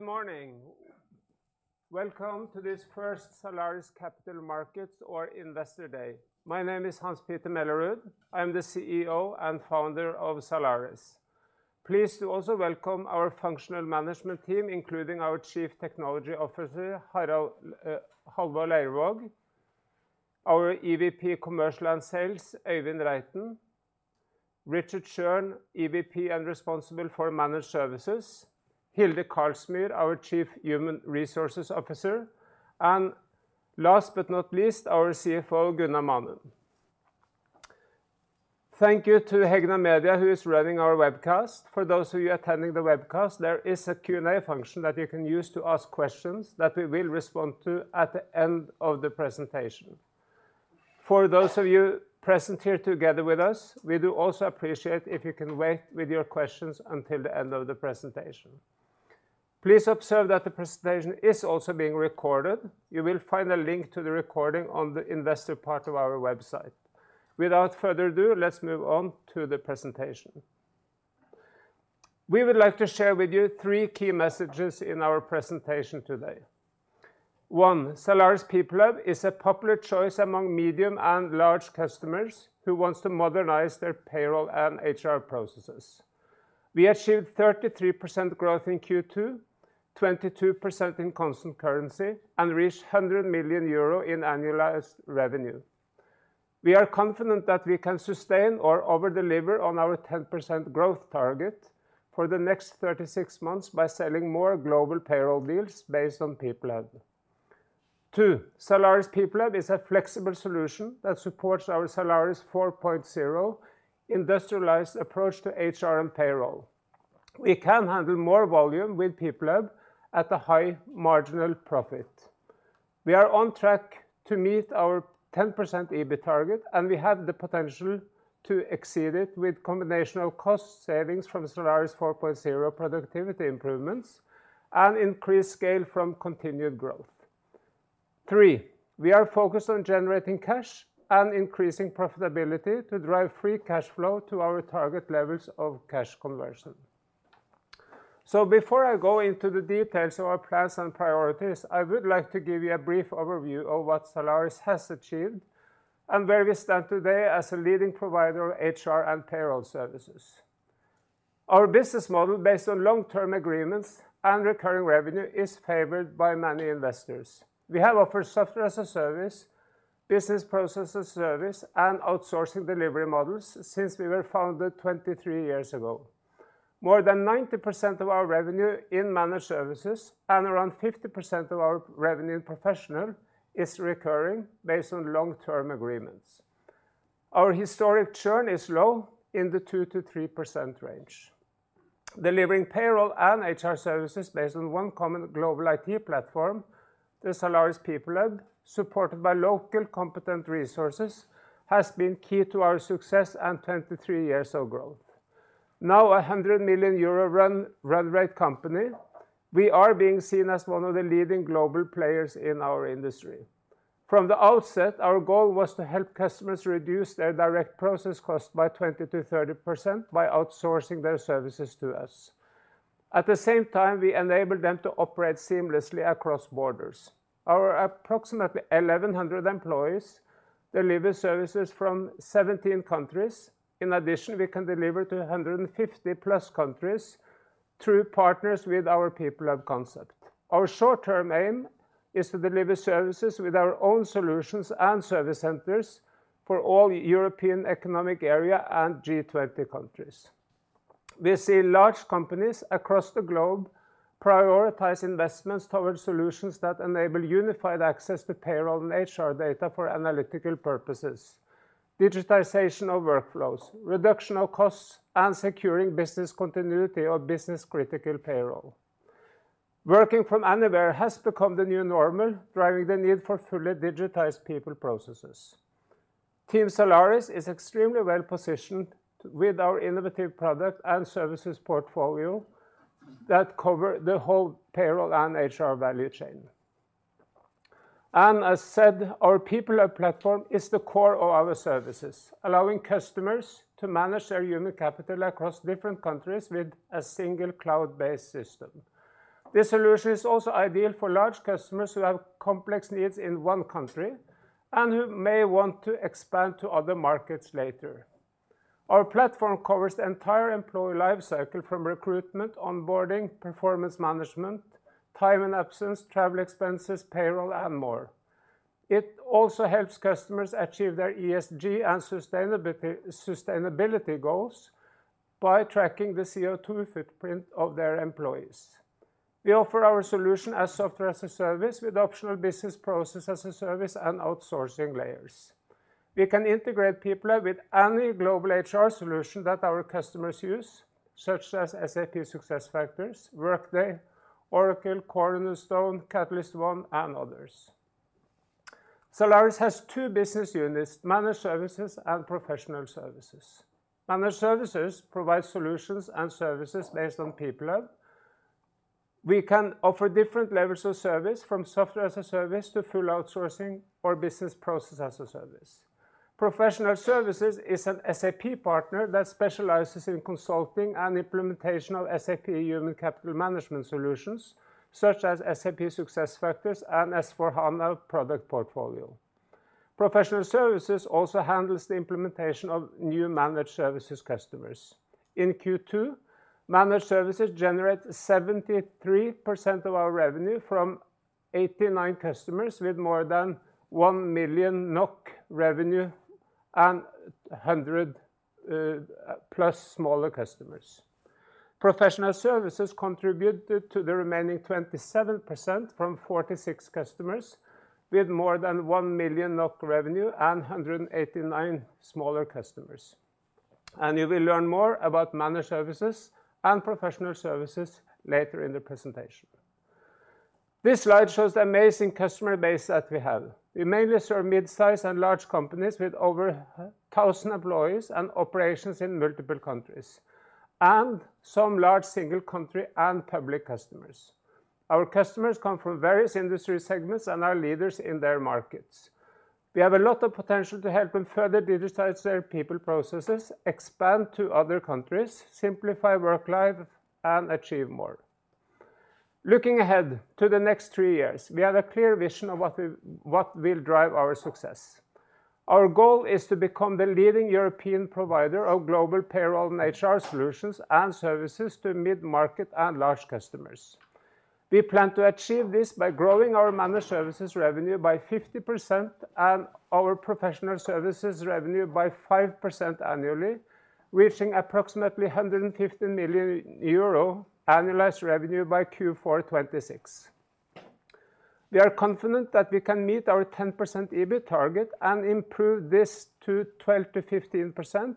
Good morning! Welcome to this first Zalaris Capital Markets or Investor Day. My name is Hans-Petter Mellerud. I'm the CEO and founder of Zalaris. Pleased to also welcome our functional management team, including our Chief Technology Officer, Halvor Leirvåg; our EVP, Commercial and Sales, Øyvind Reiten; Richard Schiørn, EVP and responsible for Managed Services; Hilde Karlsmyr, our Chief Human Resources Officer, and last but not least, our CFO, Gunnar Manum. Thank you to Hegnar Media, who is running our webcast. For those of you attending the webcast, there is a Q&A function that you can use to ask questions that we will respond to at the end of the presentation. For those of you present here together with us, we do also appreciate if you can wait with your questions until the end of the presentation. Please observe that the presentation is also being recorded. You will find a link to the recording on the investor part of our website. Without further ado, let's move on to the presentation. We would like to share with you three key messages in our presentation today. One, Zalaris PeopleHub is a popular choice among medium and large customers who wants to modernize their payroll and HR processes. We achieved 33% growth in Q2, 22% in constant currency, and reached 100 million euro in annualized revenue. We are confident that we can sustain or over-deliver on our 10% growth target for the next 36 months by selling more global payroll deals based on PeopleHub. Two, Zalaris PeopleHub is a flexible solution that supports our Zalaris 4.0 industrialized approach to HR and payroll. We can handle more volume with PeopleHub at a high marginal profit. We are on track to meet our 10% EBIT target, and we have the potential to exceed it with combination of cost savings from Zalaris 4.0 productivity improvements and increased scale from continued growth. Three, we are focused on generating cash and increasing profitability to drive free cash flow to our target levels of cash conversion. So before I go into the details of our plans and priorities, I would like to give you a brief overview of what Zalaris has achieved and where we stand today as a leading provider of HR and payroll services. Our business model, based on long-term agreements and recurring revenue, is favored by many investors. We have offered Software as a Service, Business Process as a Service, and outsourcing delivery models since we were founded 23 years ago. More than 90% of our revenue in Managed Services and around 50% of our revenue in Professional is recurring based on long-term agreements. Our historic churn is low, in the 2%-3% range. Delivering payroll and HR services based on one common global IT platform, the Zalaris PeopleHub, supported by local competent resources, has been key to our success and 23 years of growth. Now, a 100 million euro run rate company, we are being seen as one of the leading global players in our industry. From the outset, our goal was to help customers reduce their direct process cost by 20%-30% by outsourcing their services to us. At the same time, we enabled them to operate seamlessly across borders. Our approximately 1,100 employees deliver services from 17 countries. In addition, we can deliver to 150+ countries through partners with our PeopleHub concept. Our short-term aim is to deliver services with our own solutions and service centers for all European Economic Area and G20 countries. We see large companies across the globe prioritize investments towards solutions that enable unified access to payroll and HR data for analytical purposes, digitization of workflows, reduction of costs, and securing business continuity or business-critical payroll. Working from anywhere has become the new normal, driving the need for fully digitized people processes. Team Zalaris is extremely well positioned with our innovative product and services portfolio that cover the whole payroll and HR value chain. And as said, our PeopleHub platform is the core of our services, allowing customers to manage their human capital across different countries with a single cloud-based system. This solution is also ideal for large customers who have complex needs in one country and who may want to expand to other markets later. Our platform covers the entire employee life cycle from recruitment, onboarding, performance management, time and absence, travel expenses, payroll, and more. It also helps customers achieve their ESG and sustainability goals by tracking the CO2 footprint of their employees. We offer our solution as Software as a Service, with optional Business Process as a Service and outsourcing layers. We can integrate PeopleHub with any global HR solution that our customers use, such as SAP SuccessFactors, Workday, Oracle, Cornerstone, CatalystOne, and others. Zalaris has two business units, Managed Services and Professional Services. Managed Services provides solutions and services based on PeopleHub. We can offer different levels of service, from Software as a Service to full outsourcing or Business Process as a Service.... Professional Services is an SAP partner that specializes in consulting and implementation of SAP human capital management solutions, such as SAP SuccessFactors and S/4HANA product portfolio. Professional Services also handles the implementation of new Managed Services customers. In Q2, Managed Services generate 73% of our revenue from 89 customers, with more than 1 million NOK revenue and 100+ smaller customers. Professional Services contributed to the remaining 27% from 46 customers, with more than 1 million NOK revenue and 189 smaller customers. You will learn more about Managed Services and Professional Services later in the presentation. This slide shows the amazing customer base that we have. We mainly serve midsize and large companies with over 1,000 employees and operations in multiple countries, and some large single country and public customers. Our customers come from various industry segments and are leaders in their markets. We have a lot of potential to help them further digitize their people processes, expand to other countries, simplify work life, and achieve more. Looking ahead to the next three years, we have a clear vision of what we will drive our success. Our goal is to become the leading European provider of global payroll and HR solutions and services to mid-market and large customers. We plan to achieve this by growing our Managed Services revenue by 50% and our Professional Services revenue by 5% annually, reaching approximately 150 million euro annualized revenue by Q4 2026. We are confident that we can meet our 10% EBIT target and improve this to 12%-15%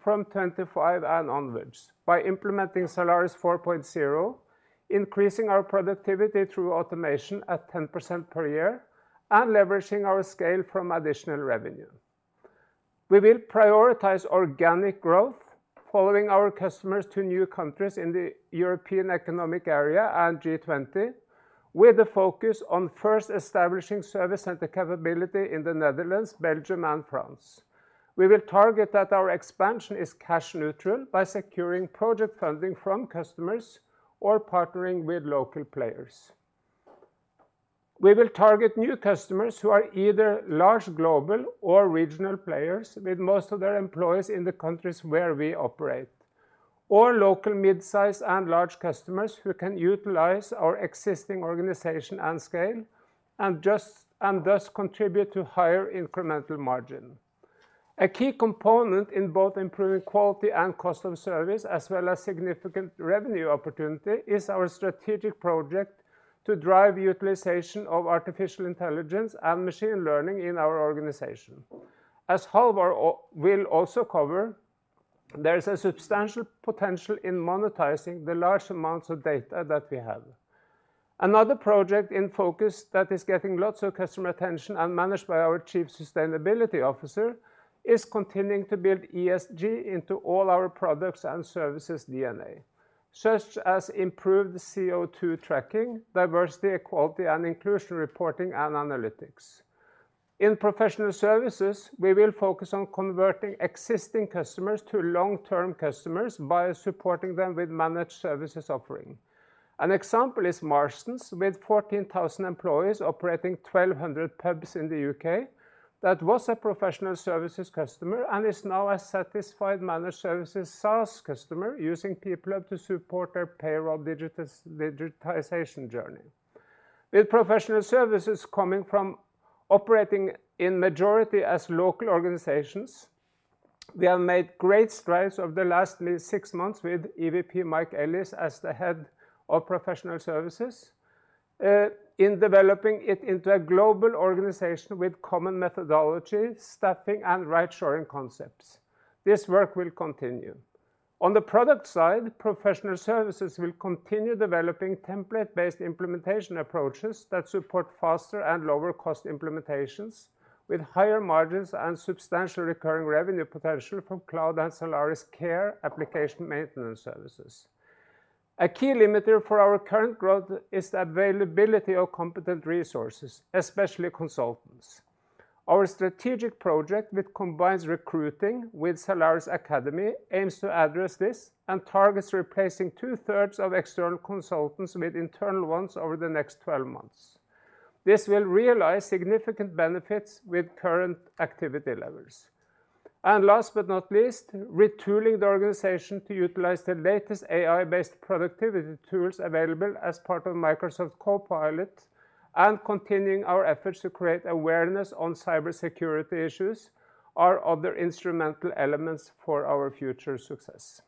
from 2025 and onwards by implementing Zalaris 4.0, increasing our productivity through automation at 10% per year, and leveraging our scale from additional revenue. We will prioritize organic growth, following our customers to new countries in the European Economic Area and G20, with a focus on first establishing service center capability in the Netherlands, Belgium, and France. We will target that our expansion is cash neutral by securing project funding from customers or partnering with local players. We will target new customers who are either large global or regional players, with most of their employees in the countries where we operate, or local midsize and large customers who can utilize our existing organization and scale, and thus contribute to higher incremental margin. A key component in both improving quality and cost of service, as well as significant revenue opportunity, is our strategic project to drive utilization of artificial intelligence and machine learning in our organization. As Halvor will also cover, there is a substantial potential in monetizing the large amounts of data that we have. Another project in focus that is getting lots of customer attention and managed by our Chief Sustainability Officer, is continuing to build ESG into all our products and services DNA, such as improved CO2 tracking, diversity, equality, and inclusion reporting and analytics. In Professional Services, we will focus on converting existing customers to long-term customers by supporting them with Managed Services offering. An example is Marston's, with 14,000 employees operating 1,200 pubs in the UK, that was a Professional Services customer and is now a satisfied Managed Services SaaS customer, using PeopleHub to support their payroll digitization journey. With Professional Services coming from operating in majority as local organizations, we have made great strides over the last six months with EVP Mike Ellis as the Head of Professional Services in developing it into a global organization with common methodology, staffing, and Rightshore concepts. This work will continue. On the product side, Professional Services will continue developing template-based implementation approaches that support faster and lower cost implementations, with higher margins and substantial recurring revenue potential from cloud and Zalaris Care application maintenance services. A key limiter for our current growth is the availability of competent resources, especially consultants. Our strategic project, which combines recruiting with Zalaris Academy, aims to address this and targets replacing two-thirds of external consultants with internal ones over the next 12 months. This will realize significant benefits with current activity levels. And last but not least, retooling the organization to utilize the latest AI-based productivity tools available as part of Microsoft Copilot, and continuing our efforts to create awareness on cybersecurity issues, are other instrumental elements for our future success.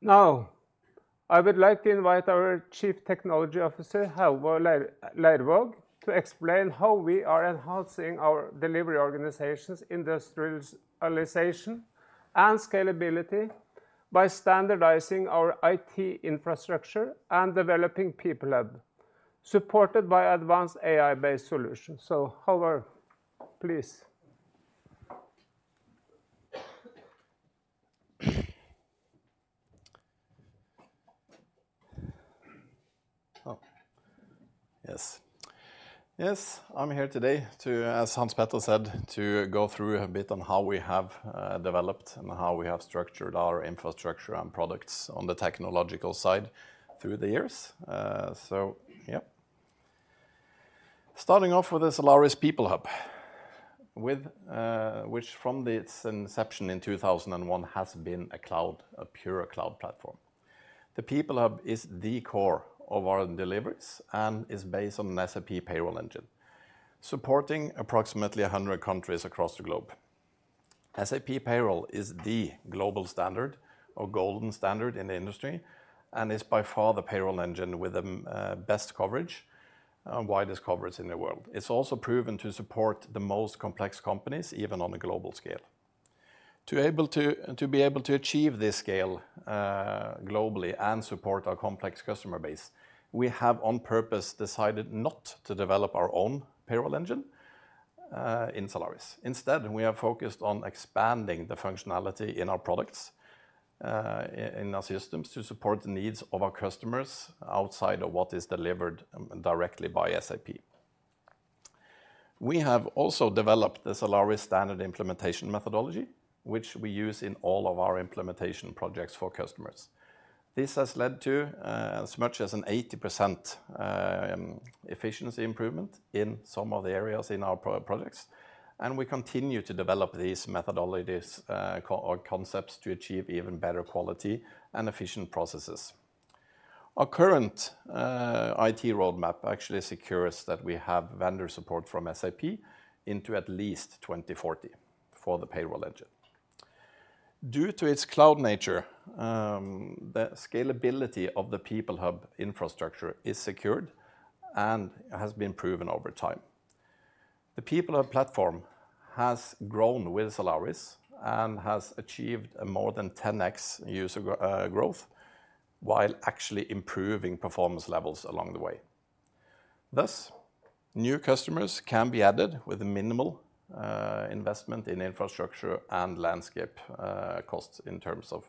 Now, I would like to invite our Chief Technology Officer, Halvor Leirvåg, to explain how we are enhancing our delivery organization's industrialization and scalability by standardizing our IT infrastructure and developing PeopleHub, supported by advanced AI-based solutions. So Halvor, please.... Oh, yes. Yes, I'm here today to, as Hans-Petter said, to go through a bit on how we have developed and how we have structured our infrastructure and products on the technological side through the years. So yeah. Starting off with the Zalaris PeopleHub, with which from its inception in 2001 has been a cloud, a pure cloud platform. The PeopleHub is the core of our deliveries and is based on an SAP Payroll engine, supporting approximately 100 countries across the globe. SAP Payroll is the global standard or golden standard in the industry, and is by far the payroll engine with the best coverage and widest coverage in the world. It's also proven to support the most complex companies, even on a global scale. To be able to achieve this scale globally and support our complex customer base, we have on purpose decided not to develop our own payroll engine in Zalaris. Instead, we have focused on expanding the functionality in our products in our systems, to support the needs of our customers outside of what is delivered directly by SAP. We have also developed the Zalaris standard implementation methodology, which we use in all of our implementation projects for customers. This has led to as much as an 80% efficiency improvement in some of the areas in our projects, and we continue to develop these methodologies or concepts to achieve even better quality and efficient processes. Our current IT roadmap actually secures that we have vendor support from SAP into at least 2040 for the payroll engine. Due to its cloud nature, the scalability of the PeopleHub infrastructure is secured and has been proven over time. The PeopleHub platform has grown with Zalaris and has achieved a more than 10x user growth, while actually improving performance levels along the way. Thus, new customers can be added with a minimal investment in infrastructure and landscape costs in terms of,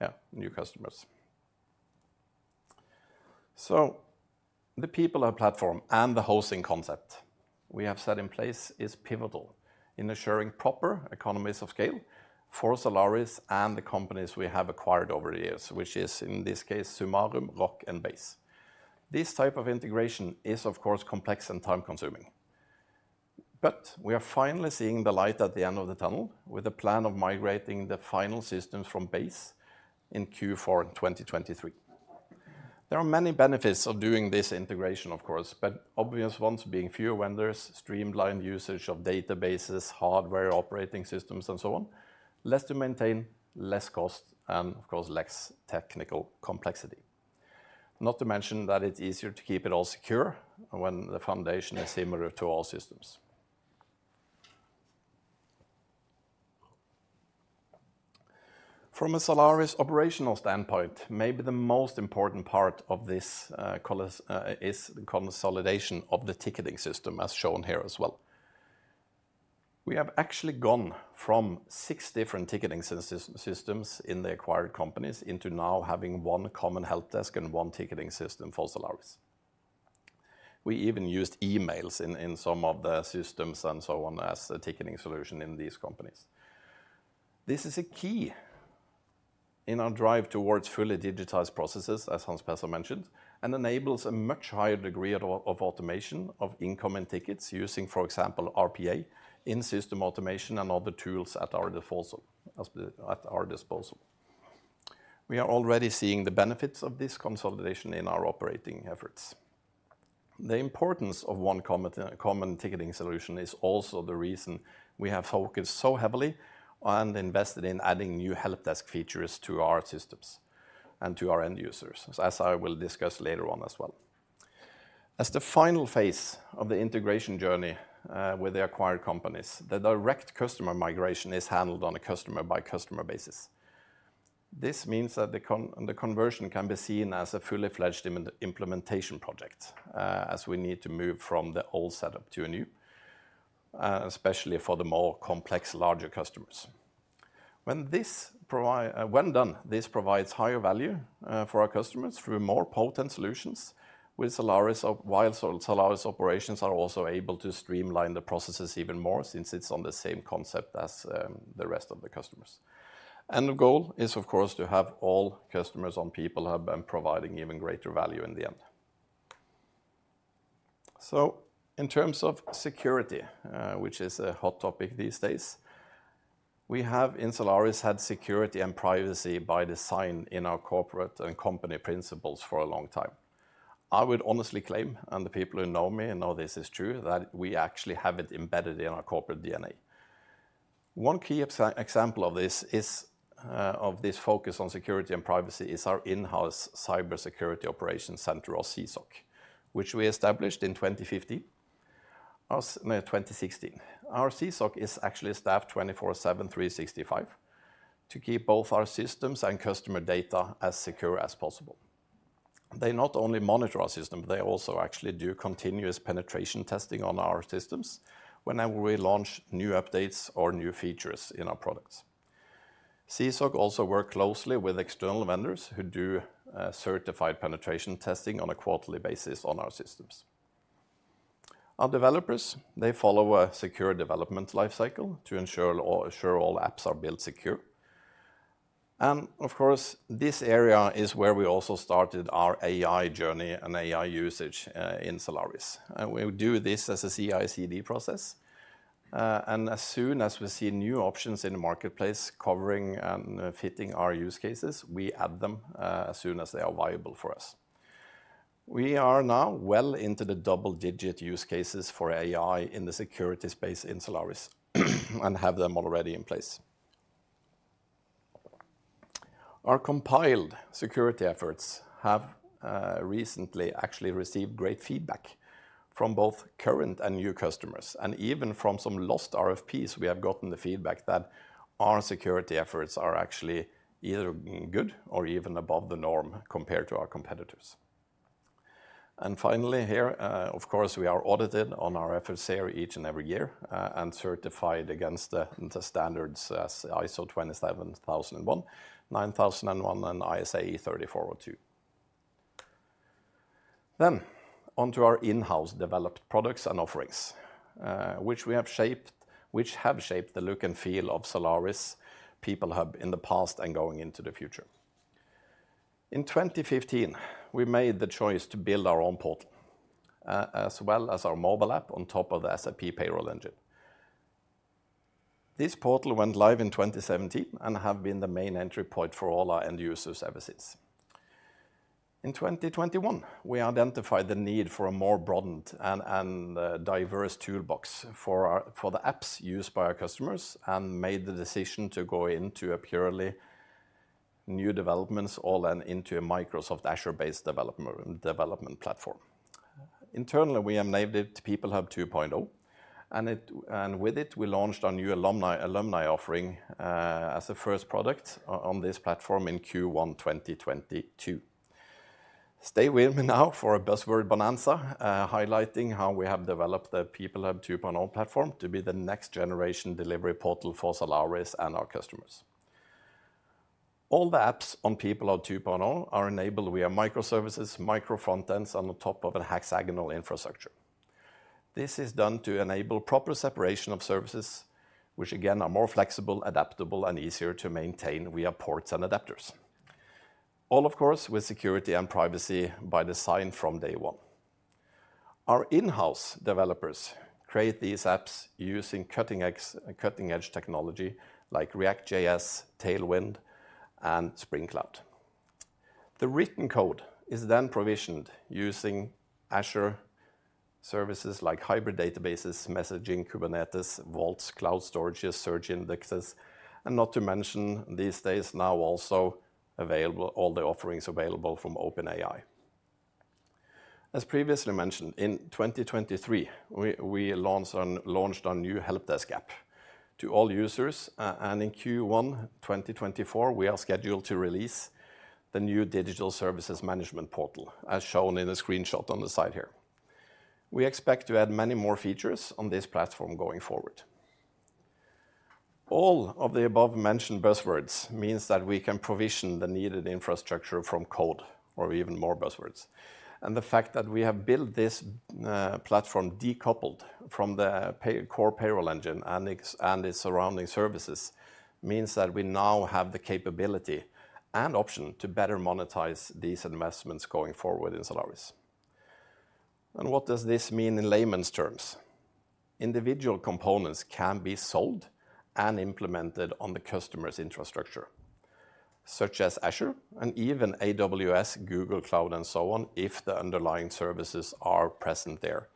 yeah, new customers. The PeopleHub platform and the hosting concept we have set in place is pivotal in ensuring proper economies of scale for Zalaris and the companies we have acquired over the years, which is, in this case, Sumarum, ROC, and ba.se. This type of integration is, of course, complex and time-consuming, but we are finally seeing the light at the end of the tunnel with a plan of migrating the final systems from ba.se in Q4 2023. There are many benefits of doing this integration, of course, but obvious ones being fewer vendors, streamlined usage of databases, hardware, operating systems, and so on. Less to maintain, less cost, and of course, less technical complexity. Not to mention that it's easier to keep it all secure when the foundation is similar to all systems. From a Zalaris operational standpoint, maybe the most important part of this consolidation is consolidation of the ticketing system, as shown here as well. We have actually gone from six different ticketing systems in the acquired companies into now having one common help desk and one ticketing system for Zalaris. We even used emails in some of the systems and so on as a ticketing solution in these companies. This is a key in our drive towards fully digitized processes, as Hans-Petter mentioned, and enables a much higher degree of automation of incoming tickets using, for example, RPA in system automation and other tools at our disposal. We are already seeing the benefits of this consolidation in our operating efforts. The importance of one common ticketing solution is also the reason we have focused so heavily and invested in adding new help desk features to our systems and to our end users, as I will discuss later on as well. As the final phase of the integration journey with the acquired companies, the direct customer migration is handled on a customer-by-customer basis. This means that the conversion can be seen as a fully fledged implementation project, as we need to move from the old setup to a new, especially for the more complex, larger customers. When done, this provides higher value for our customers through more potent solutions with Zalaris, while Zalaris operations are also able to streamline the processes even more, since it's on the same concept as the rest of the customers. And the goal is, of course, to have all customers on PeopleHub and providing even greater value in the end. So in terms of security, which is a hot topic these days, we have in Zalaris had security and privacy by design in our corporate and company principles for a long time. I would honestly claim, and the people who know me and know this is true, that we actually have it embedded in our corporate DNA. One key example of this focus on security and privacy is our in-house Cybersecurity Operations Center, or CSOC, which we established in 2015, no, 2016. Our CSOC is actually staffed 24/7, 365, to keep both our systems and customer data as secure as possible. They not only monitor our system, they also actually do continuous penetration testing on our systems whenever we launch new updates or new features in our products. CSOC also work closely with external vendors who do certified penetration testing on a quarterly basis on our systems. Our developers, they follow a secure development life cycle to ensure all, ensure all apps are built secure. Of course, this area is where we also started our AI journey and AI usage in Zalaris. We do this as a CI/CD process. As soon as we see new options in the marketplace covering and fitting our use cases, we add them as soon as they are viable for us. We are now well into the double-digit use cases for AI in the security space in Zalaris, and have them already in place. Our compiled security efforts have recently actually received great feedback from both current and new customers, and even from some lost RFPs, we have gotten the feedback that our security efforts are actually either good or even above the norm compared to our competitors. And finally, here, of course, we are audited on our FSR each and every year, and certified against the standards as ISO 27001, ISO 9001, and ISAE 3402. Then, onto our in-house developed products and offerings, which we have shaped—which have shaped the look and feel of Zalaris, people have in the past and going into the future. In 2015, we made the choice to build our own portal, as well as our mobile app on top of the SAP payroll engine. This portal went live in 2017 and have been the main entry point for all our end users ever since. In 2021, we identified the need for a more broadened and diverse toolbox for our, for the apps used by our customers, and made the decision to go into a purely new developments, all and into a Microsoft Azure-based development, development platform. Internally, we enabled it to PeopleHub 2.0, and it, and with it, we launched our new alumni, alumni offering as a first product on this platform in Q1 2022. Stay with me now for a buzzword bonanza, highlighting how we have developed the PeopleHub 2.0 platform to be the next generation delivery portal for Zalaris and our customers. All the apps on PeopleHub 2.0 are enabled via microservices, micro frontends on the top of a hexagonal infrastructure. This is done to enable proper separation of services, which again, are more flexible, adaptable, and easier to maintain via ports and adapters. All, of course, with security and privacy by design from day one. Our in-house developers create these apps using cutting-edge technology like React JS, Tailwind, and Spring Cloud. The written code is then provisioned using Azure services like hybrid databases, messaging, Kubernetes, Vaults, cloud storages, search indexes, and not to mention, these days now also available, all the offerings available from OpenAI. As previously mentioned, in 2023, we launched our new help desk app to all users, and in Q1 2024, we are scheduled to release the new digital services management portal, as shown in the screenshot on the side here. We expect to add many more features on this platform going forward. All of the above mentioned buzzwords means that we can provision the needed infrastructure from code or even more buzzwords. And the fact that we have built this platform decoupled from the core payroll engine and its surrounding services, means that we now have the capability and option to better monetize these investments going forward in Zalaris. And what does this mean in layman's terms? Individual components can be sold and implemented on the customer's infrastructure, such as Azure and even AWS, Google Cloud, and so on, if the underlying services are present there.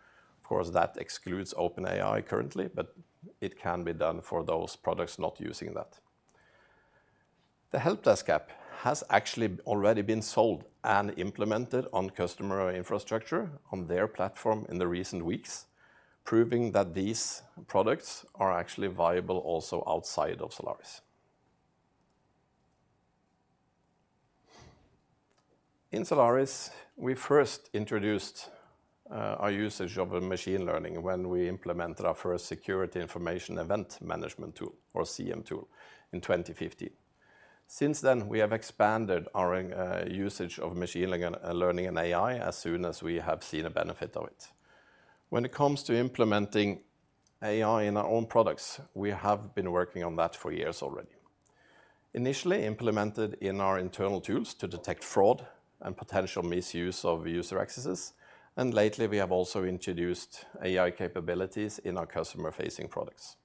Of course, that excludes OpenAI currently, but it can be done for those products not using that. The help desk app has actually already been sold and implemented on customer infrastructure on their platform in the recent weeks, proving that these products are actually viable also outside of Zalaris. In Zalaris, we first introduced our usage of machine learning when we implemented our first security information event management tool, or SIEM tool, in 2015. Since then, we have expanded our usage of machine learning, learning and AI as soon as we have seen a benefit of it. When it comes to implementing AI in our own products, we have been working on that for years already. Initially, implemented in our internal tools to detect fraud and potential misuse of user accesses, and lately, we have also introduced AI capabilities in our customer-facing products.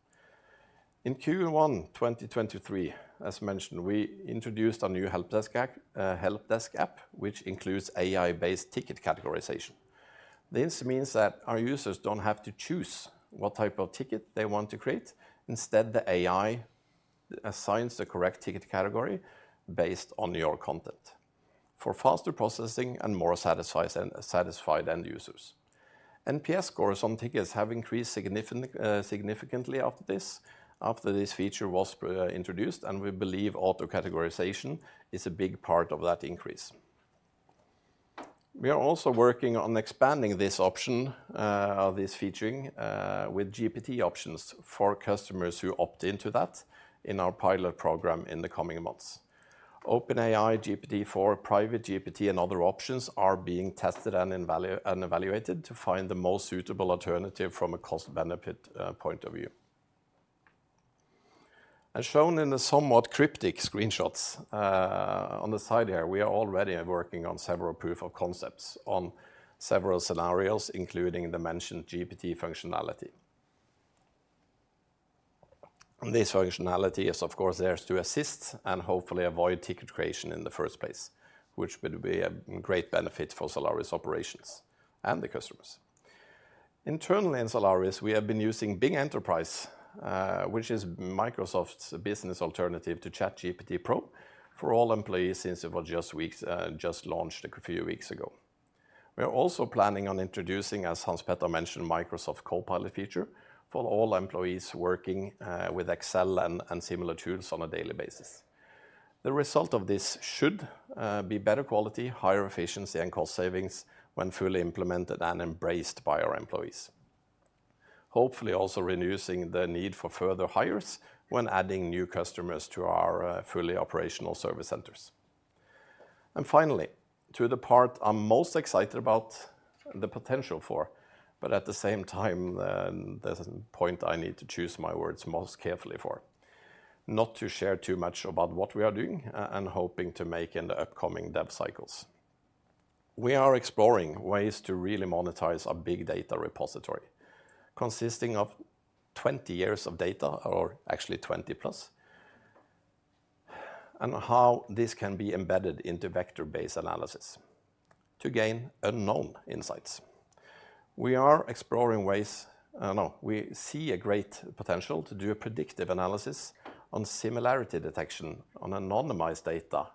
In Q1 2023, as mentioned, we introduced our new help desk app, which includes AI-based ticket categorization. This means that our users don't have to choose what type of ticket they want to create. Instead, the AI assigns the correct ticket category based on your content for faster processing and more satisfied end users. NPS scores on tickets have increased significantly after this feature was introduced, and we believe auto-categorization is a big part of that increase. We are also working on expanding this option, this featuring, with GPT options for customers who opt into that in our pilot program in the coming months. OpenAI, GPT-4, PrivateGPT, and other options are being tested and evaluated to find the most suitable alternative from a cost-benefit point of view. As shown in the somewhat cryptic screenshots on the side here, we are already working on several proof of concepts on several scenarios, including the mentioned GPT functionality. This functionality is, of course, there to assist and hopefully avoid ticket creation in the first place, which would be a great benefit for Zalaris operations and the customers. Internally in Zalaris, we have been using Bing Chat Enterprise, which is Microsoft's business alternative to ChatGPT Pro, for all employees since it was just launched a few weeks ago. We are also planning on introducing, as Hans-Petter mentioned, Microsoft Copilot feature for all employees working with Excel and similar tools on a daily basis. The result of this should be better quality, higher efficiency, and cost savings when fully implemented and embraced by our employees. Hopefully, also reducing the need for further hires when adding new customers to our fully operational service centers. And finally, to the part I'm most excited about the potential for, but at the same time, there's a point I need to choose my words most carefully for, not to share too much about what we are doing and hoping to make in the upcoming dev cycles. We are exploring ways to really monetize our big data repository, consisting of 20 years of data, or actually 20+, and how this can be embedded into vector-based analysis to gain unknown insights. We see a great potential to do a predictive analysis on similarity detection, on anonymized data,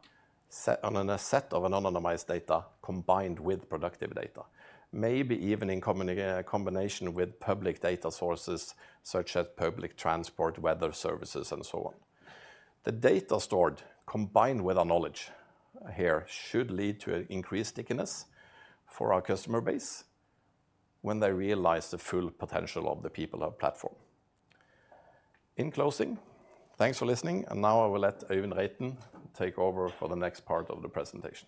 on a set of anonymized data combined with productive data, maybe even in combination with public data sources such as public transport, weather services, and so on. The data stored, combined with our knowledge here, should lead to increased stickiness for our customer base when they realize the full potential of the PeopleHub platform. In closing, thanks for listening, and now I will let Øyvind Reiten take over for the next part of the presentation.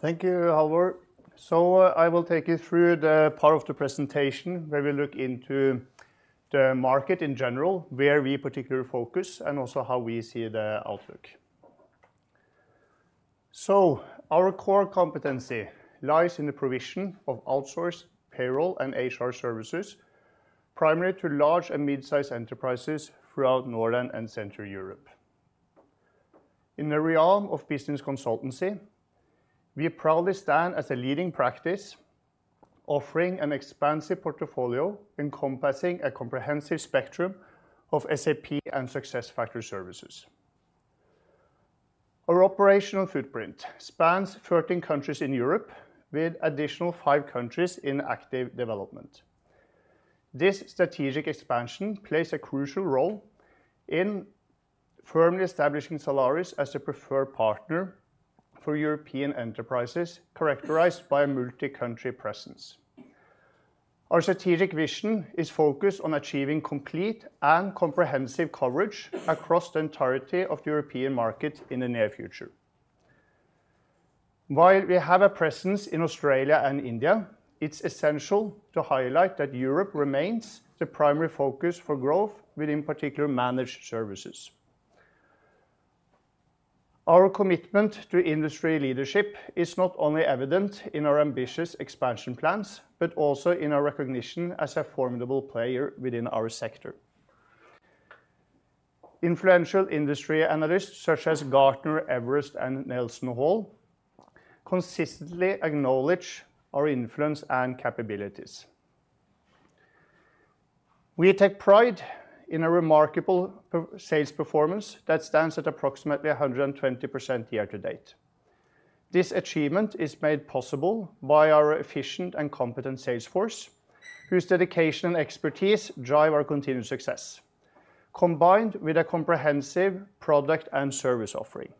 Thank you, Halvor. I will take you through the part of the presentation where we look into the market in general, where we particularly focus, and also how we see the outlook. Our core competency lies in the provision of outsourced, payroll, and HR services, primarily to large and mid-size enterprises throughout Northern and Central Europe. In the realm of business consultancy, we proudly stand as a leading practice, offering an expansive portfolio encompassing a comprehensive spectrum of SAP and SuccessFactors services. Our operational footprint spans 13 countries in Europe, with additional five countries in active development. This strategic expansion plays a crucial role in firmly establishing Zalaris as a preferred partner for European enterprises characterized by a multi-country presence. Our strategic vision is focused on achieving complete and comprehensive coverage across the entirety of the European market in the near future. While we have a presence in Australia and India, it's essential to highlight that Europe remains the primary focus for growth within particular managed services. Our commitment to industry leadership is not only evident in our ambitious expansion plans, but also in our recognition as a formidable player within our sector. Influential industry analysts, such as Gartner, Everest, and NelsonHall, consistently acknowledge our influence and capabilities. We take pride in a remarkable sales performance that stands at approximately 120% year to date. This achievement is made possible by our efficient and competent sales force, whose dedication and expertise drive our continued success, combined with a comprehensive product and service offering.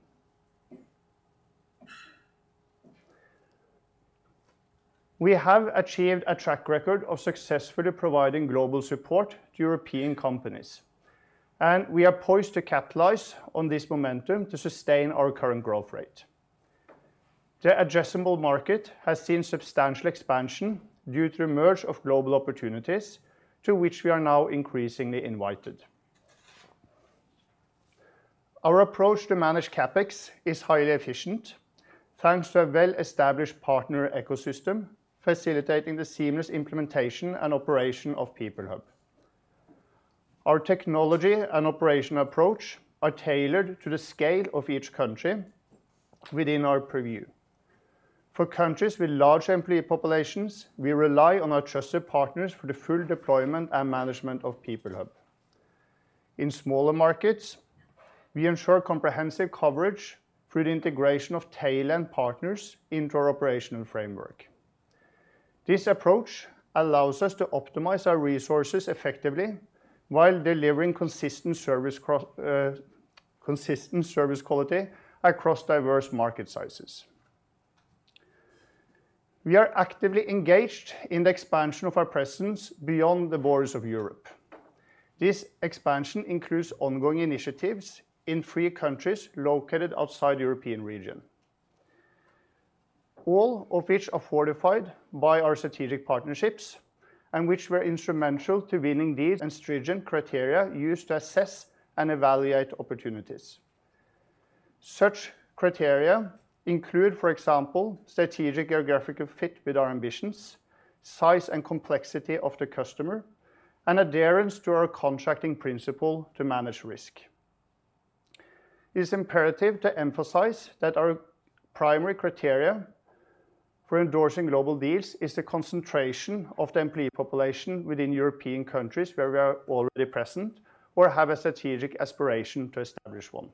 We have achieved a track record of successfully providing global support to European companies, and we are poised to capitalize on this momentum to sustain our current growth rate. The addressable market has seen substantial expansion due to the merge of global opportunities, to which we are now increasingly invited. Our approach to managed CapEx is highly efficient, thanks to a well-established partner ecosystem, facilitating the seamless implementation and operation of PeopleHub. Our technology and operational approach are tailored to the scale of each country within our purview. For countries with large employee populations, we rely on our trusted partners for the full deployment and management of PeopleHub... In smaller markets, we ensure comprehensive coverage through the integration of tail end partners into our operational framework. This approach allows us to optimize our resources effectively, while delivering consistent service quality across diverse market sizes. We are actively engaged in the expansion of our presence beyond the borders of Europe. This expansion includes ongoing initiatives in three countries located outside European region, all of which are fortified by our strategic partnerships, and which were instrumental to winning these and stringent criteria used to assess and evaluate opportunities. Such criteria include, for example, strategic geographical fit with our ambitions, size and complexity of the customer, and adherence to our contracting principle to manage risk. It is imperative to emphasize that our primary criteria for endorsing global deals is the concentration of the employee population within European countries, where we are already present or have a strategic aspiration to establish one.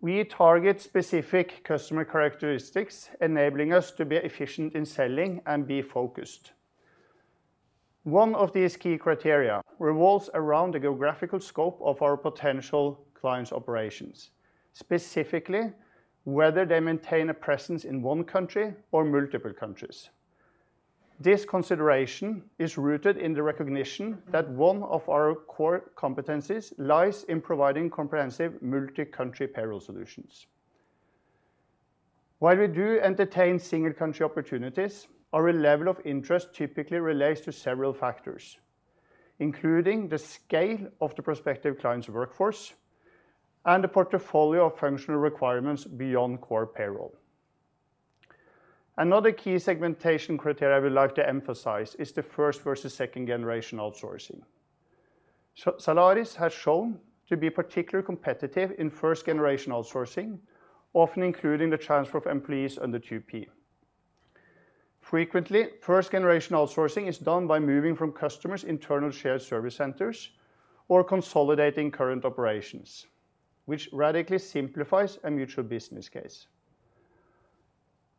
We target specific customer characteristics, enabling us to be efficient in selling and be focused. One of these key criteria revolves around the geographical scope of our potential clients' operations. Specifically, whether they maintain a presence in one country or multiple countries. This consideration is rooted in the recognition that one of our core competencies lies in providing comprehensive multi-country payroll solutions. While we do entertain single country opportunities, our level of interest typically relates to several factors, including the scale of the prospective client's workforce and the portfolio of functional requirements beyond core payroll. Another key segmentation criteria I would like to emphasize is the first versus second generation outsourcing. Zalaris has shown to be particularly competitive in first-generation outsourcing, often including the transfer of employees under TUPE. Frequently, first-generation outsourcing is done by moving from customers' internal shared service centers or consolidating current operations, which radically simplifies a mutual business case.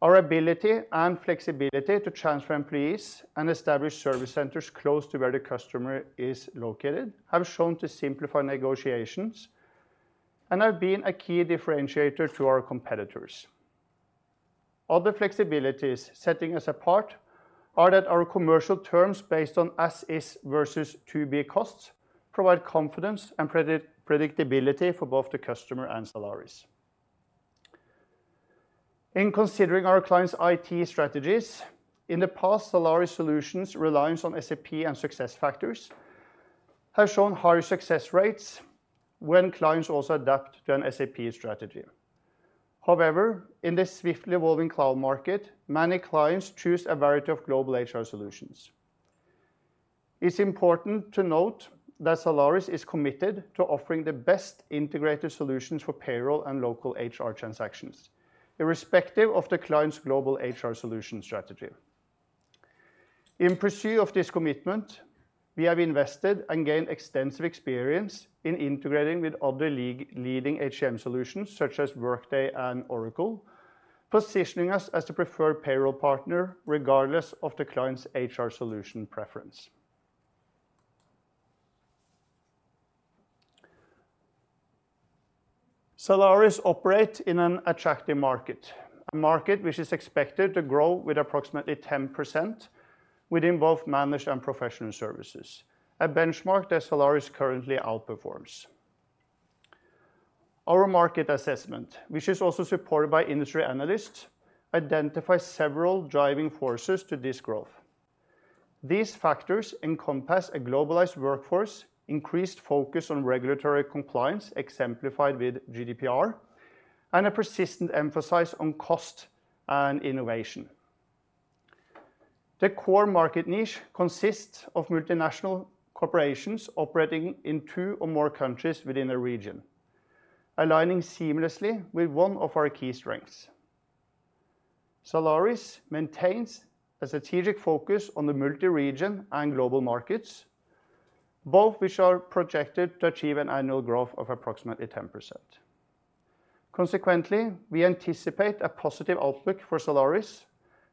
Our ability and flexibility to transfer employees and establish service centers close to where the customer is located, have shown to simplify negotiations and have been a key differentiator to our competitors. Other flexibilities setting us apart are that our commercial terms based on as-is versus to-be costs, provide confidence and predictability for both the customer and Zalaris. In considering our clients' IT strategies, in the past, Zalaris solutions reliance on SAP and SuccessFactors have shown higher success rates when clients also adapt to an SAP strategy. However, in this swiftly evolving cloud market, many clients choose a variety of global HR solutions. It's important to note that Zalaris is committed to offering the best integrated solutions for payroll and local HR transactions, irrespective of the client's global HR solution strategy. In pursuit of this commitment, we have invested and gained extensive experience in integrating with other leading HCM solutions, such as Workday and Oracle, positioning us as the preferred payroll partner, regardless of the client's HR solution preference. Zalaris operate in an attractive market, a market which is expected to grow with approximately 10% within both managed and Professional Services, a benchmark that Zalaris currently outperforms. Our market assessment, which is also supported by industry analysts, identifies several driving forces to this growth. These factors encompass a globalized workforce, increased focus on regulatory compliance, exemplified with GDPR, and a persistent emphasis on cost and innovation. The core market niche consists of multinational corporations operating in two or more countries within a region, aligning seamlessly with one of our key strengths. Zalaris maintains a strategic focus on the multi-region and global markets, both which are projected to achieve an annual growth of approximately 10%. Consequently, we anticipate a positive outlook for Zalaris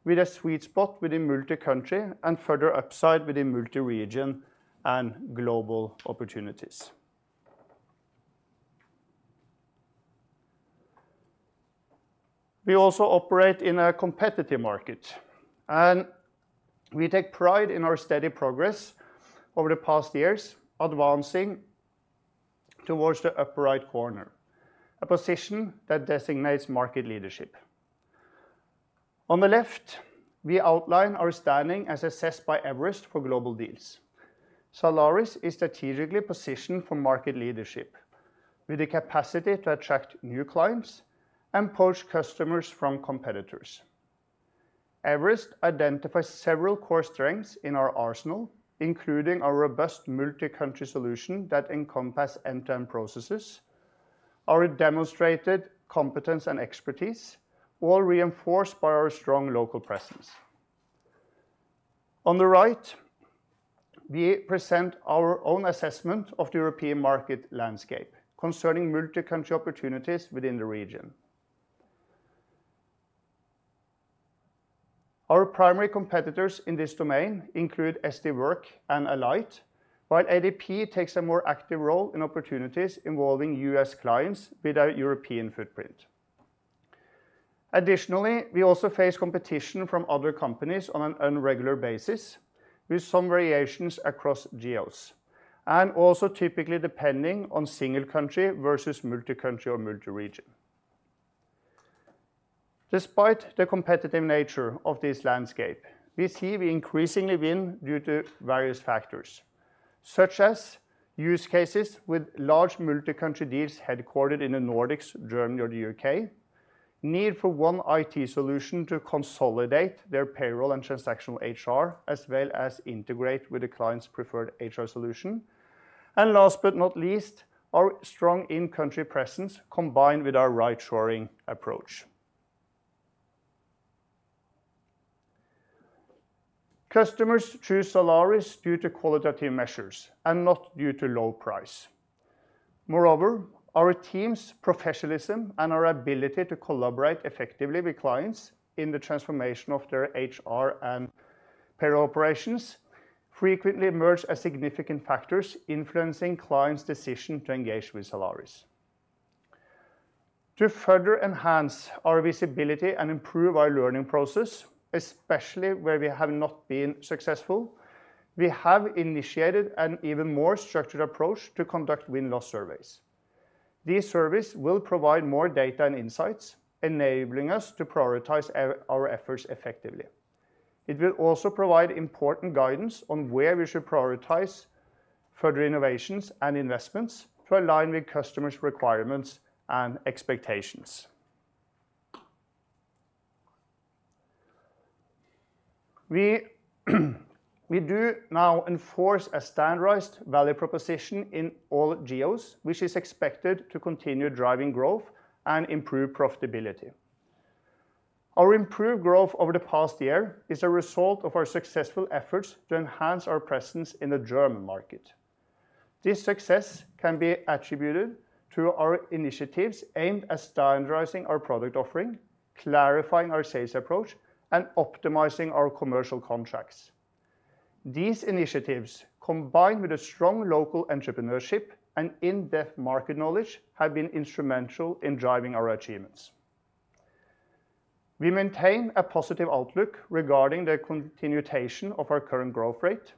with a sweet spot within multi-country and further upside within multi-region and global opportunities. We also operate in a competitive market, and we take pride in our steady progress over the past years, advancing towards the upper right corner, a position that designates market leadership. On the left, we outline our standing as assessed by Everest for global deals. Zalaris is strategically positioned for market leadership, with the capacity to attract new clients and poach customers from competitors. Everest identifies several core strengths in our arsenal, including our robust multi-country solution that encompass end-to-end processes... our demonstrated competence and expertise, all reinforced by our strong local presence. On the right, we present our own assessment of the European market landscape concerning multi-country opportunities within the region. Our primary competitors in this domain include SD Worx and Alight, while ADP takes a more active role in opportunities involving U.S. clients with a European footprint. Additionally, we also face competition from other companies on an irregular basis, with some variations across geos, and also typically depending on single country versus multi-country or multi-region. Despite the competitive nature of this landscape, we see we increasingly win due to various factors, such as use cases with large multi-country deals headquartered in the Nordics, Germany, or the U.K. Need for one IT solution to consolidate their payroll and transactional HR, as well as integrate with the client's preferred HR solution. And last but not least, our strong in-country presence, combined with our Rightshore approach. Customers choose Zalaris due to qualitative measures and not due to low price. Moreover, our team's professionalism and our ability to collaborate effectively with clients in the transformation of their HR and payroll operations frequently emerge as significant factors influencing clients' decision to engage with Zalaris. To further enhance our visibility and improve our learning process, especially where we have not been successful, we have initiated an even more structured approach to conduct win-loss surveys. These surveys will provide more data and insights, enabling us to prioritize our efforts effectively. It will also provide important guidance on where we should prioritize further innovations and investments to align with customers' requirements and expectations. We do now enforce a standardized value proposition in all geos, which is expected to continue driving growth and improve profitability. Our improved growth over the past year is a result of our successful efforts to enhance our presence in the German market. This success can be attributed to our initiatives aimed at standardizing our product offering, clarifying our sales approach, and optimizing our commercial contracts. These initiatives, combined with a strong local entrepreneurship and in-depth market knowledge, have been instrumental in driving our achievements. We maintain a positive outlook regarding the continuation of our current growth rate.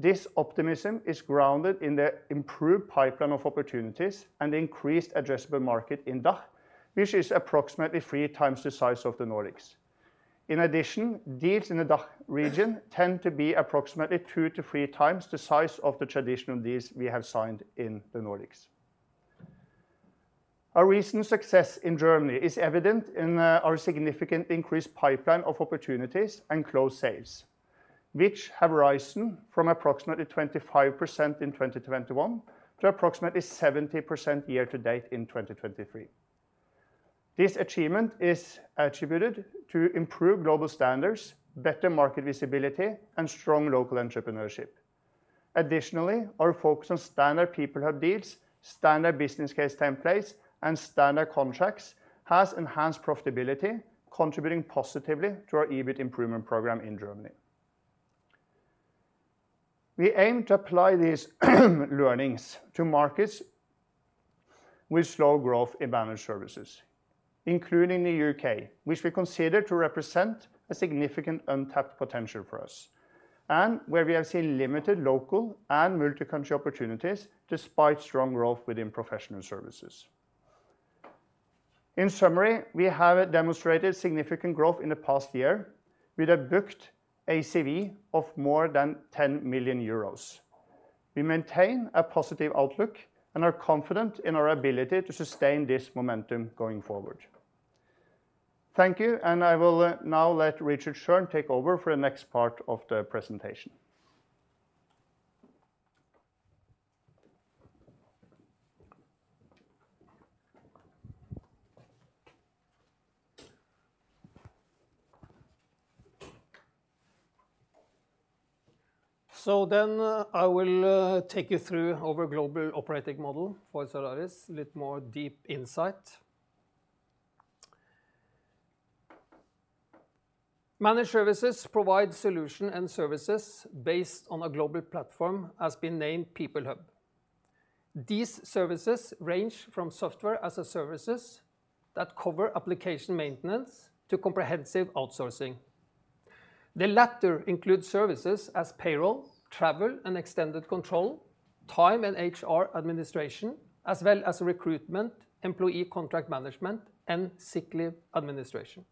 This optimism is grounded in the improved pipeline of opportunities and increased addressable market in DACH, which is approximately three times the size of the Nordics. In addition, deals in the DACH region tend to be approximately two to three times the size of the traditional deals we have signed in the Nordics. Our recent success in Germany is evident in our significant increased pipeline of opportunities and close sales, which have risen from approximately 25% in 2021 to approximately 70% year to date in 2023. This achievement is attributed to improved global standards, better market visibility, and strong local entrepreneurship. Additionally, our focus on standard PeopleHub deals, standard business case templates, and standard contracts has enhanced profitability, contributing positively to our EBIT improvement program in Germany. We aim to apply these learnings to markets with slow growth in Managed Services, including the U.K., which we consider to represent a significant untapped potential for us, and where we have seen limited local and multi-country opportunities, despite strong growth within Professional Services. In summary, we have demonstrated significant growth in the past year with a booked ACV of more than 10 million euros. We maintain a positive outlook and are confident in our ability to sustain this momentum going forward. Thank you, and I will now let Richard Schiørn take over for the next part of the presentation. I will take you through our global operating model for Zalaris, a little more deep insight. Managed Services provide solution and services based on a global platform, has been named PeopleHub. These services range from Software as a Service that cover application maintenance to comprehensive outsourcing. The latter includes services as payroll, travel, and extended control, time and HR administration, as well as recruitment, employee contract management, and sick leave administration.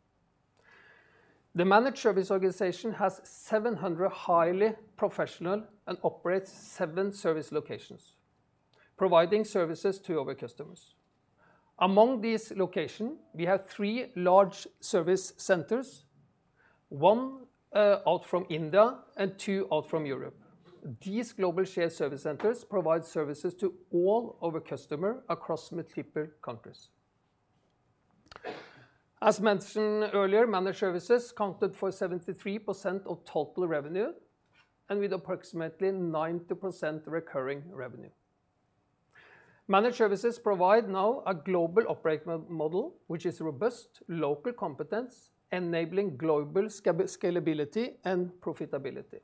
The managed service organization has 700 highly professional and operates seven service locations, providing services to our customers. Among these location, we have three large service centers, one out from India and two out from Europe. These global shared service centers provide services to all of our customer across multiple countries. As mentioned earlier, Managed Services accounted for 73% of total revenue, and with approximately 90% recurring revenue. Managed Services provide now a global operating model, which is robust local competence, enabling global scalability and profitability.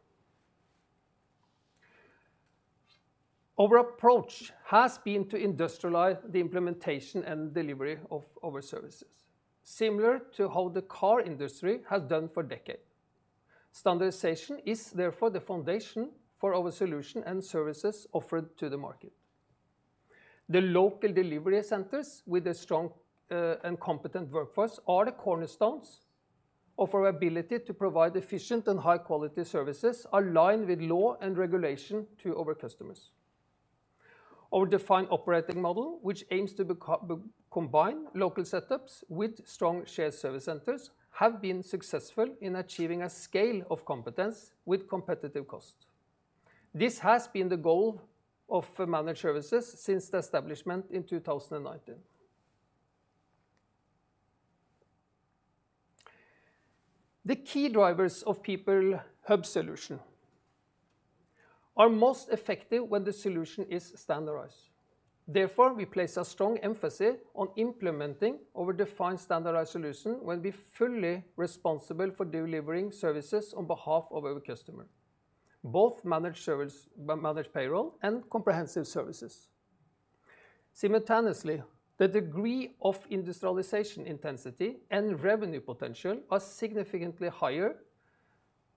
Our approach has been to industrialize the implementation and delivery of our services, similar to how the car industry has done for decades. Standardization is therefore the foundation for our solution and services offered to the market. The local delivery centers, with a strong and competent workforce, are the cornerstones of our ability to provide efficient and high-quality services aligned with law and regulation to our customers. Our defined operating model, which aims to combine local setups with strong shared service centers, have been successful in achieving a scale of competence with competitive cost. This has been the goal of Managed Services since the establishment in 2019. The key drivers of PeopleHub solution are most effective when the solution is standardized. Therefore, we place a strong emphasis on implementing our defined standardized solution when we fully responsible for delivering services on behalf of our customer. Both managed service, managed payroll, and comprehensive services. Simultaneously, the degree of industrialization intensity and revenue potential are significantly higher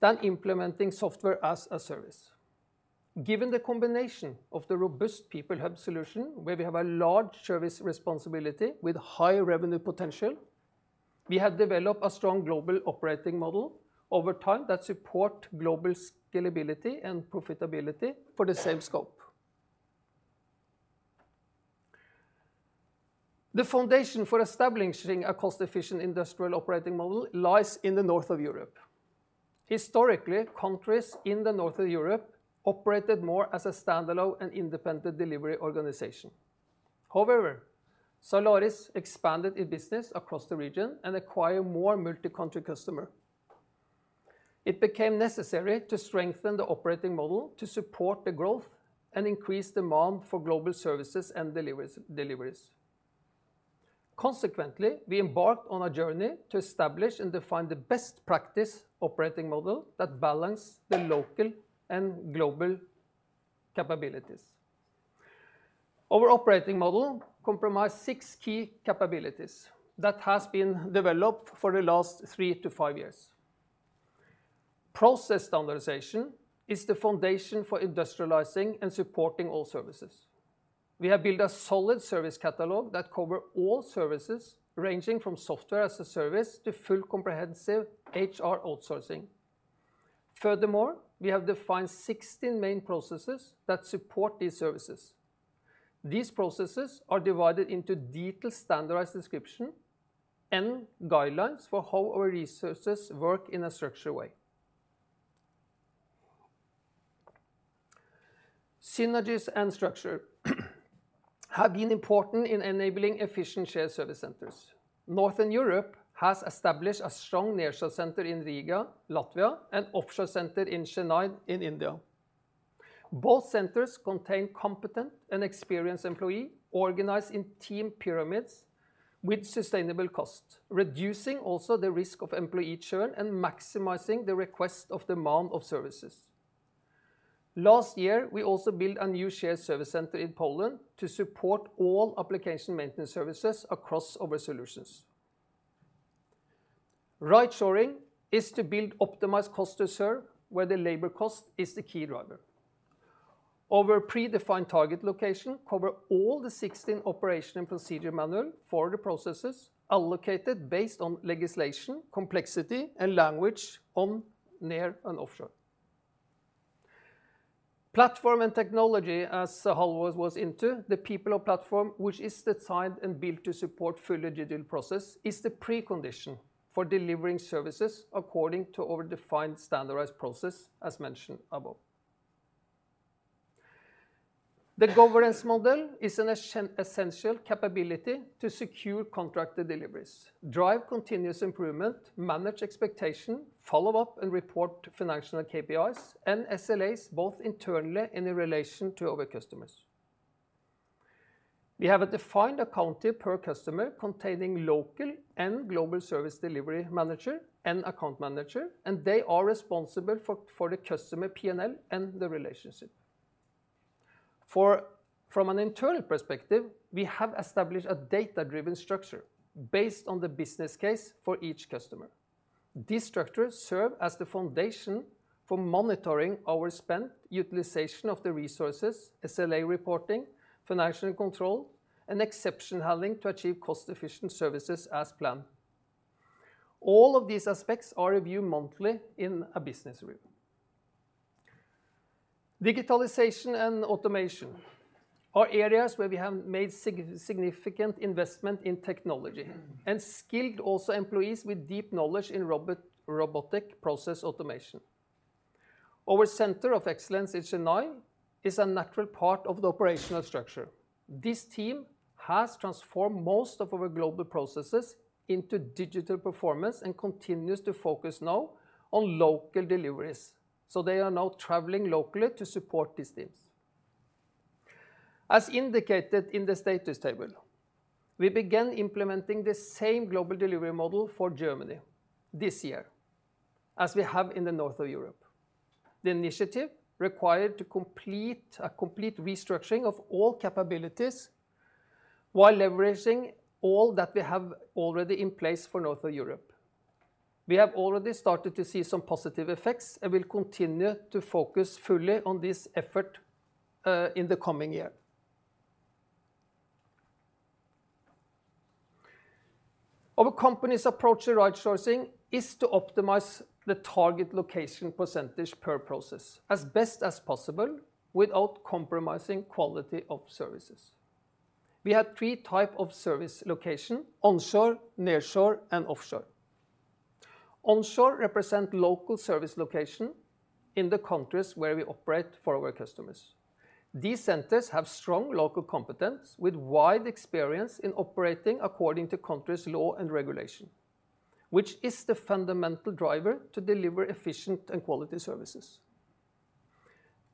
than implementing software as a service. Given the combination of the robust PeopleHub solution, where we have a large service responsibility with high revenue potential, we have developed a strong global operating model over time that support global scalability and profitability for the same scope. The foundation for establishing a cost-efficient industrial operating model lies in the north of Europe. Historically, countries in the north of Europe operated more as a standalone and independent delivery organization. However, Zalaris expanded its business across the region and acquire more multi-country customer. It became necessary to strengthen the operating model to support the growth and increase demand for global services and deliveries. Consequently, we embarked on a journey to establish and define the best practice operating model that balance the local and global capabilities. Our operating model compromise 6 key capabilities that has been developed for the last three to five years. Process standardization is the foundation for industrializing and supporting all services. We have built a solid service catalog that cover all services, ranging from software as a service to full comprehensive HR outsourcing. Furthermore, we have defined 16 main processes that support these services. These processes are divided into detailed, standardized description and guidelines for how our resources work in a structured way. Synergies and structure have been important in enabling efficient shared service centers. Northern Europe has established a strong nearshore center in Riga, Latvia, and offshore center in Chennai, in India. Both centers contain competent and experienced employee, organized in team pyramids with sustainable cost, reducing also the risk of employee churn and maximizing the request of demand of services. Last year, we also built a new shared service center in Poland to support all application maintenance services across our solutions. Rightshore is to build optimized cost to serve, where the labor cost is the key driver. Our predefined target location cover all the 16 operation and procedure manual for the processes allocated based on legislation, complexity, and language, on near and offshore. Platform and technology, as Halvor was into, the PeopleHub Platform, which is designed and built to support full digital process, is the precondition for delivering services according to our defined standardized process, as mentioned above. The governance model is an essential capability to secure contracted deliveries, drive continuous improvement, manage expectation, follow up and report financial KPIs and SLAs, both internally and in relation to our customers. We have a defined account team per customer, containing local and global service delivery manager and account manager, and they are responsible for, for the customer P&L and the relationship. For, from an internal perspective, we have established a data-driven structure based on the business case for each customer. These structures serve as the foundation for monitoring our spent utilization of the resources, SLA reporting, financial control, and exception handling to achieve cost-efficient services as planned. All of these aspects are reviewed monthly in a business review. Digitalization and automation are areas where we have made significant investment in technology, and skilled also employees with deep knowledge in robotic process automation. Our center of excellence in Chennai is a natural part of the operational structure. This team has transformed most of our global processes into digital performance, and continues to focus now on local deliveries, so they are now traveling locally to support these teams. As indicated in the status table, we began implementing the same global delivery model for Germany this year as we have in the north of Europe. The initiative required to complete a complete restructuring of all capabilities, while leveraging all that we have already in place for north of Europe. We have already started to see some positive effects, and will continue to focus fully on this effort, in the coming year. Our company's approach to right sourcing is to optimize the target location percentage per process as best as possible, without compromising quality of services. We have three type of service location: onshore, nearshore, and offshore. Onshore represent local service location in the countries where we operate for our customers. These centers have strong local competence with wide experience in operating according to country's law and regulation, which is the fundamental driver to deliver efficient and quality services.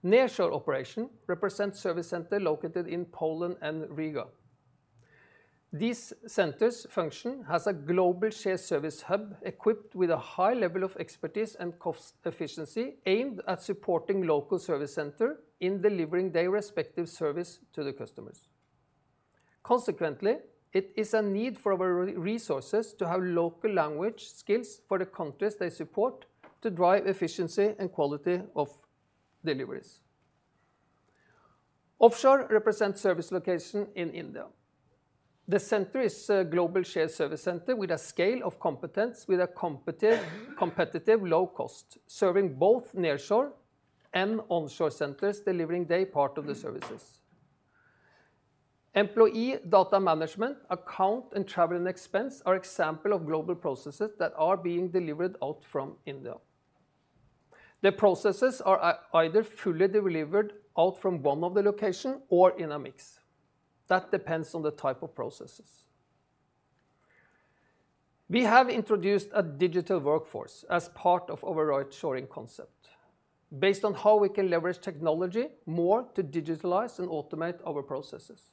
Nearshore operation represents service center located in Poland and Riga. These centers' function has a global shared service hub, equipped with a high level of expertise and cost efficiency, aimed at supporting local service center in delivering their respective service to the customers. Consequently, it is a need for our resources to have local language skills for the countries they support to drive efficiency and quality of deliveries. Offshore represents service location in India. The center is a global shared service center with a scale of competence, with a competitive low cost, serving both nearshore and onshore centers, delivering their part of the services. Employee data management, account and travel and expense are example of global processes that are being delivered out from India. The processes are either fully delivered out from one of the location or in a mix. That depends on the type of processes. We have introduced a digital workforce as part of our rightshoring concept, based on how we can leverage technology more to digitalize and automate our processes.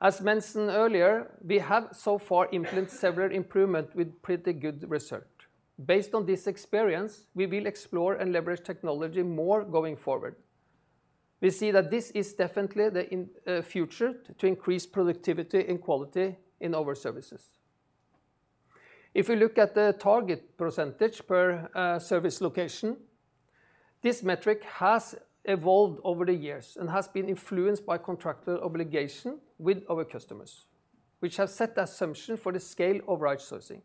As mentioned earlier, we have so far implemented several improvement with pretty good result. Based on this experience, we will explore and leverage technology more going forward. We see that this is definitely the in future to increase productivity and quality in our services. If you look at the target percentage per service location, this metric has evolved over the years and has been influenced by contractor obligation with our customers, which has set the assumption for the scale of right sourcing.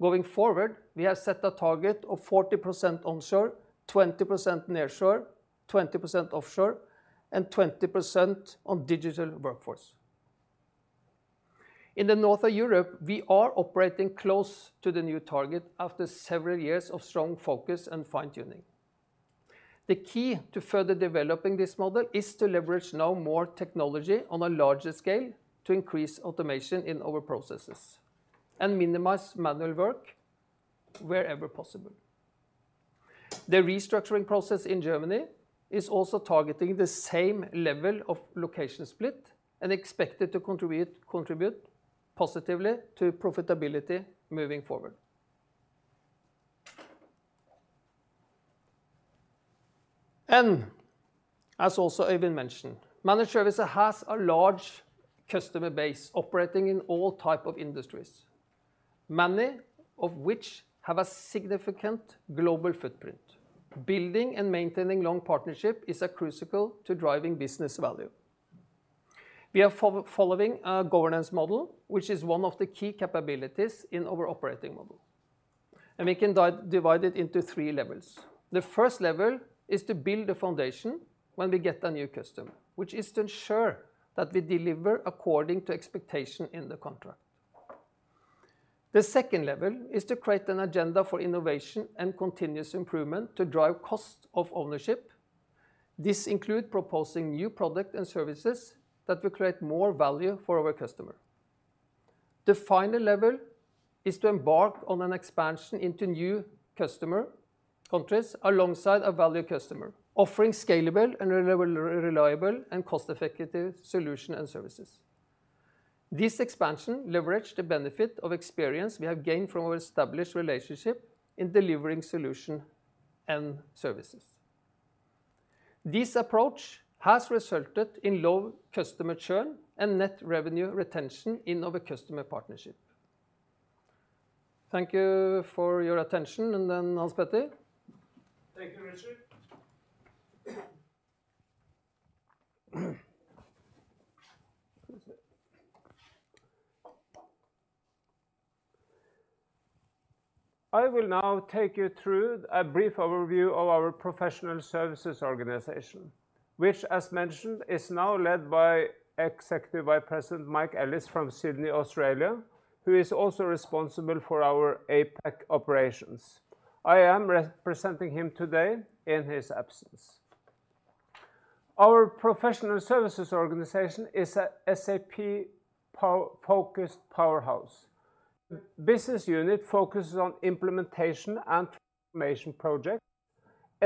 Going forward, we have set a target of 40% onshore, 20% nearshore, 20% offshore, and 20% on digital workforce. In the north of Europe, we are operating close to the new target after several years of strong focus and fine-tuning. The key to further developing this model is to leverage now more technology on a larger scale to increase automation in our processes and minimize manual work wherever possible. The restructuring process in Germany is also targeting the same level of location split and expected to contribute, contribute positively to profitability moving forward. As also even mentioned, Managed Services has a large customer base operating in all types of industries, many of which have a significant global footprint. Building and maintaining long partnerships is crucial to driving business value. We are following a governance model, which is one of the key capabilities in our operating model, and we can divide it into three levels. The first level is to build a foundation when we get a new customer, which is to ensure that we deliver according to expectations in the contract. The second level is to create an agenda for innovation and continuous improvement to drive cost of ownership. This includes proposing new products and services that will create more value for our customers. The final level is to embark on an expansion into new customer countries, alongside a value customer, offering scalable and reliable, and cost-effective solution and services. This expansion leverage the benefit of experience we have gained from our established relationship in delivering solution and services. This approach has resulted in low customer churn and net revenue retention in our customer partnership. Thank you for your attention, and then Hans-Petter? Thank you, Richard. I will now take you through a brief overview of our Professional Services organization, which, as mentioned, is now led by Executive Vice President Mike Ellis from Sydney, Australia, who is also responsible for our APAC operations. I am representing him today in his absence. Our Professional Services organization is a SAP-focused powerhouse. Business unit focuses on implementation and transformation projects,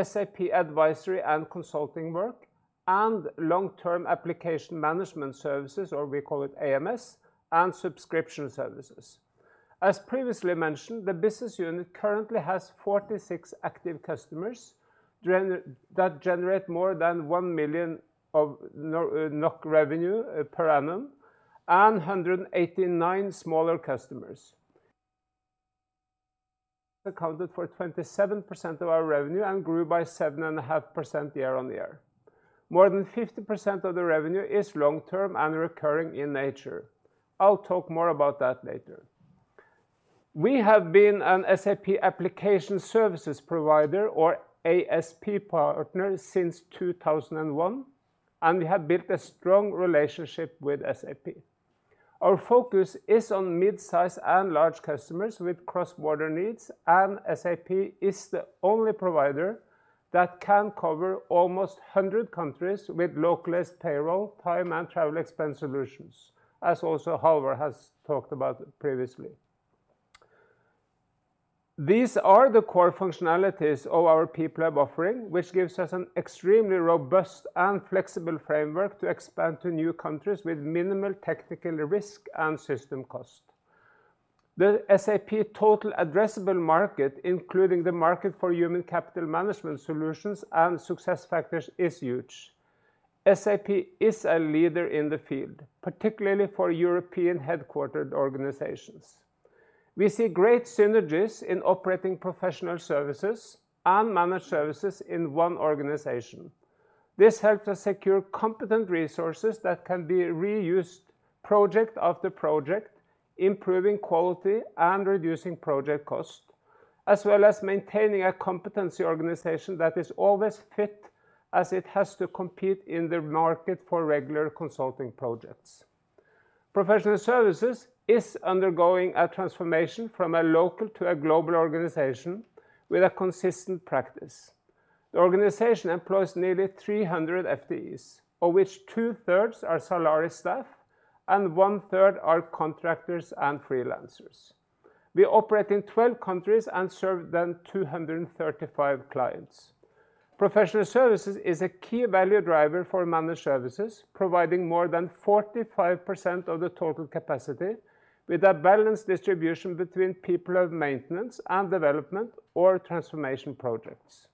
SAP advisory and consulting work, and long-term application management services, or we call it AMS, and subscription services. As previously mentioned, the business unit currently has 46 active customers, that generate more than 1 million revenue per annum, and 189 smaller customers. Accounted for 27% of our revenue and grew by 7.5% year-on-year. More than 50% of the revenue is long-term and recurring in nature. I'll talk more about that later. We have been an SAP application services provider or ASP partner since 2001, and we have built a strong relationship with SAP. Our focus is on mid-size and large customers with cross-border needs, and SAP is the only provider that can cover almost 100 countries with localized payroll, time, and travel expense solutions, as also Halvor has talked about previously. These are the core functionalities of our PeopleHub offering, which gives us an extremely robust and flexible framework to expand to new countries with minimal technical risk and system cost. The SAP total addressable market, including the market for human capital management solutions and SuccessFactors, is huge. SAP is a leader in the field, particularly for European-headquartered organizations. We see great synergies in operating Professional Services and Managed Services in one organization. This helps us secure competent resources that can be reused project after project, improving quality and reducing project cost, as well as maintaining a competency organization that is always fit as it has to compete in the market for regular consulting projects. Professional Services is undergoing a transformation from a local to a global organization with a consistent practice. The organization employs nearly 300 FTEs, of which two-thirds are Zalaris staff and one-third are contractors and freelancers. We operate in 12 countries and serve them 235 clients. Professional Services is a key value driver for Managed Services, providing more than 45% of the total capacity with a balanced distribution between PeopleHub maintenance and development or transformation projects.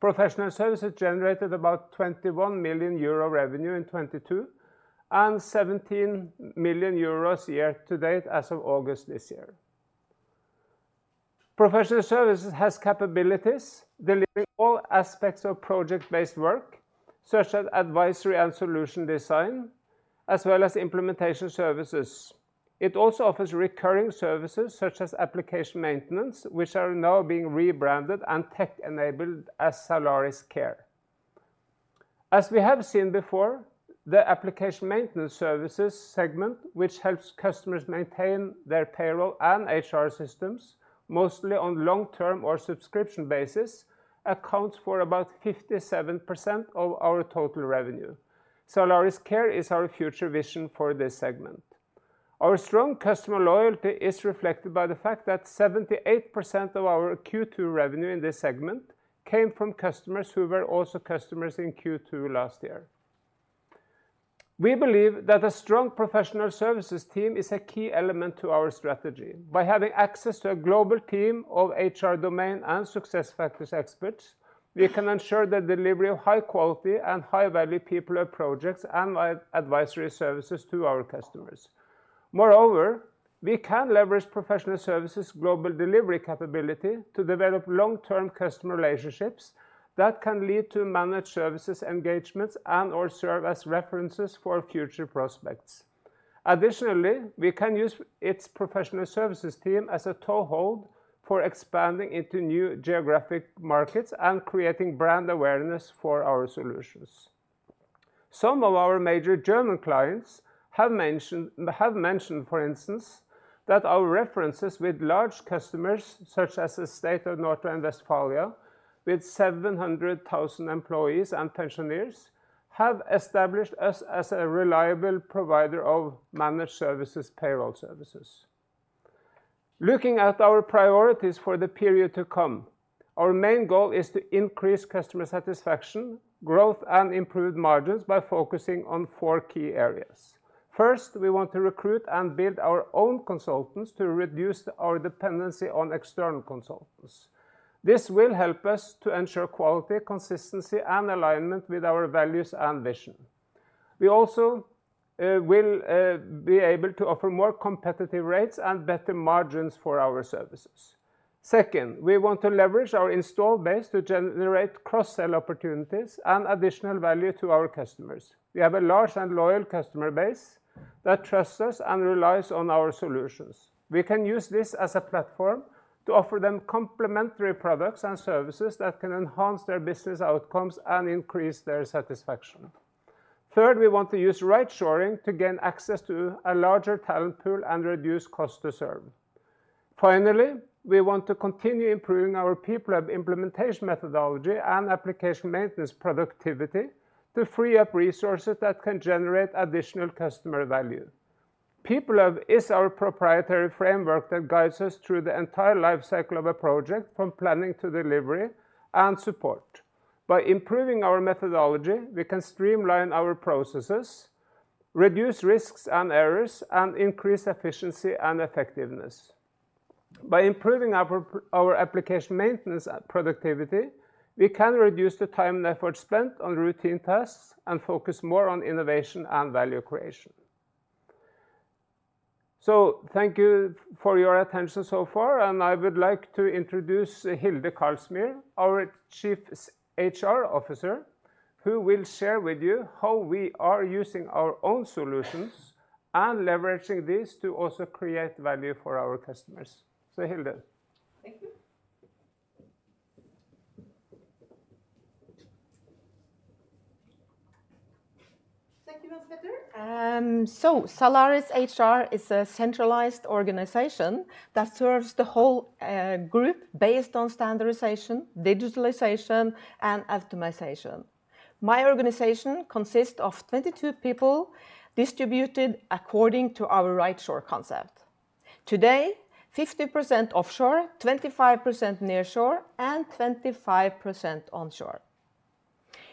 Professional Services generated about 21 million euro revenue in 2022 and 17 million euros year to date as of August this year. Professional Services has capabilities delivering all aspects of project-based work, such as advisory and solution design, as well as implementation services. It also offers recurring services such as application maintenance, which are now being rebranded and tech-enabled as Zalaris Care. As we have seen before, the application maintenance services segment, which helps customers maintain their payroll and HR systems, mostly on long-term or subscription basis, accounts for about 57% of our total revenue. Zalaris Care is our future vision for this segment. Our strong customer loyalty is reflected by the fact that 78% of our Q2 revenue in this segment came from customers who were also customers in Q2 last year. We believe that a strong Professional Services team is a key element to our strategy. By having access to a global team of HR domain and success factors experts, we can ensure the delivery of high quality and high value PeopleHub projects and advisory services to our customers. Moreover, we can leverage Professional Services' global delivery capability to develop long-term customer relationships that can lead to Managed Services engagements and/or serve as references for future prospects. Additionally, we can use its Professional Services team as a toehold for expanding into new geographic markets and creating brand awareness for our solutions. Some of our major German clients have mentioned, for instance, that our references with large customers, such as the State of North Rhine-Westphalia, with 700,000 employees and pensioners, have established us as a reliable provider of Managed Services, payroll services. Looking at our priorities for the period to come, our main goal is to increase customer satisfaction, growth, and improved margins by focusing on four key areas. First, we want to recruit and build our own consultants to reduce our dependency on external consultants. This will help us to ensure quality, consistency, and alignment with our values and vision. We also will be able to offer more competitive rates and better margins for our services. Second, we want to leverage our install base to generate cross-sell opportunities and additional value to our customers. We have a large and loyal customer base that trusts us and relies on our solutions. We can use this as a platform to offer them complementary products and services that can enhance their business outcomes and increase their satisfaction. Third, we want to use Rightshoring to gain access to a larger talent pool and reduce cost to serve. Finally, we want to continue improving our PeopleHub implementation methodology and application maintenance productivity to free up resources that can generate additional customer value. PeopleHub is our proprietary framework that guides us through the entire life cycle of a project, from planning to delivery and support. By improving our methodology, we can streamline our processes, reduce risks and errors, and increase efficiency and effectiveness. By improving our application maintenance and productivity, we can reduce the time and effort spent on routine tasks and focus more on innovation and value creation. So thank you for your attention so far, and I would like to introduce Hilde Karlsmyr, our Chief HR Officer, who will share with you how we are using our own solutions and leveraging this to also create value for our customers. So, Hilde. Thank you. Thank you, Hans-Petter. Zalaris HR is a centralized organization that serves the whole group based on standardization, digitalization, and optimization. My organization consists of 22 people, distributed according to our rightshore concept. Today, 50% offshore, 25% nearshore, and 25% onshore.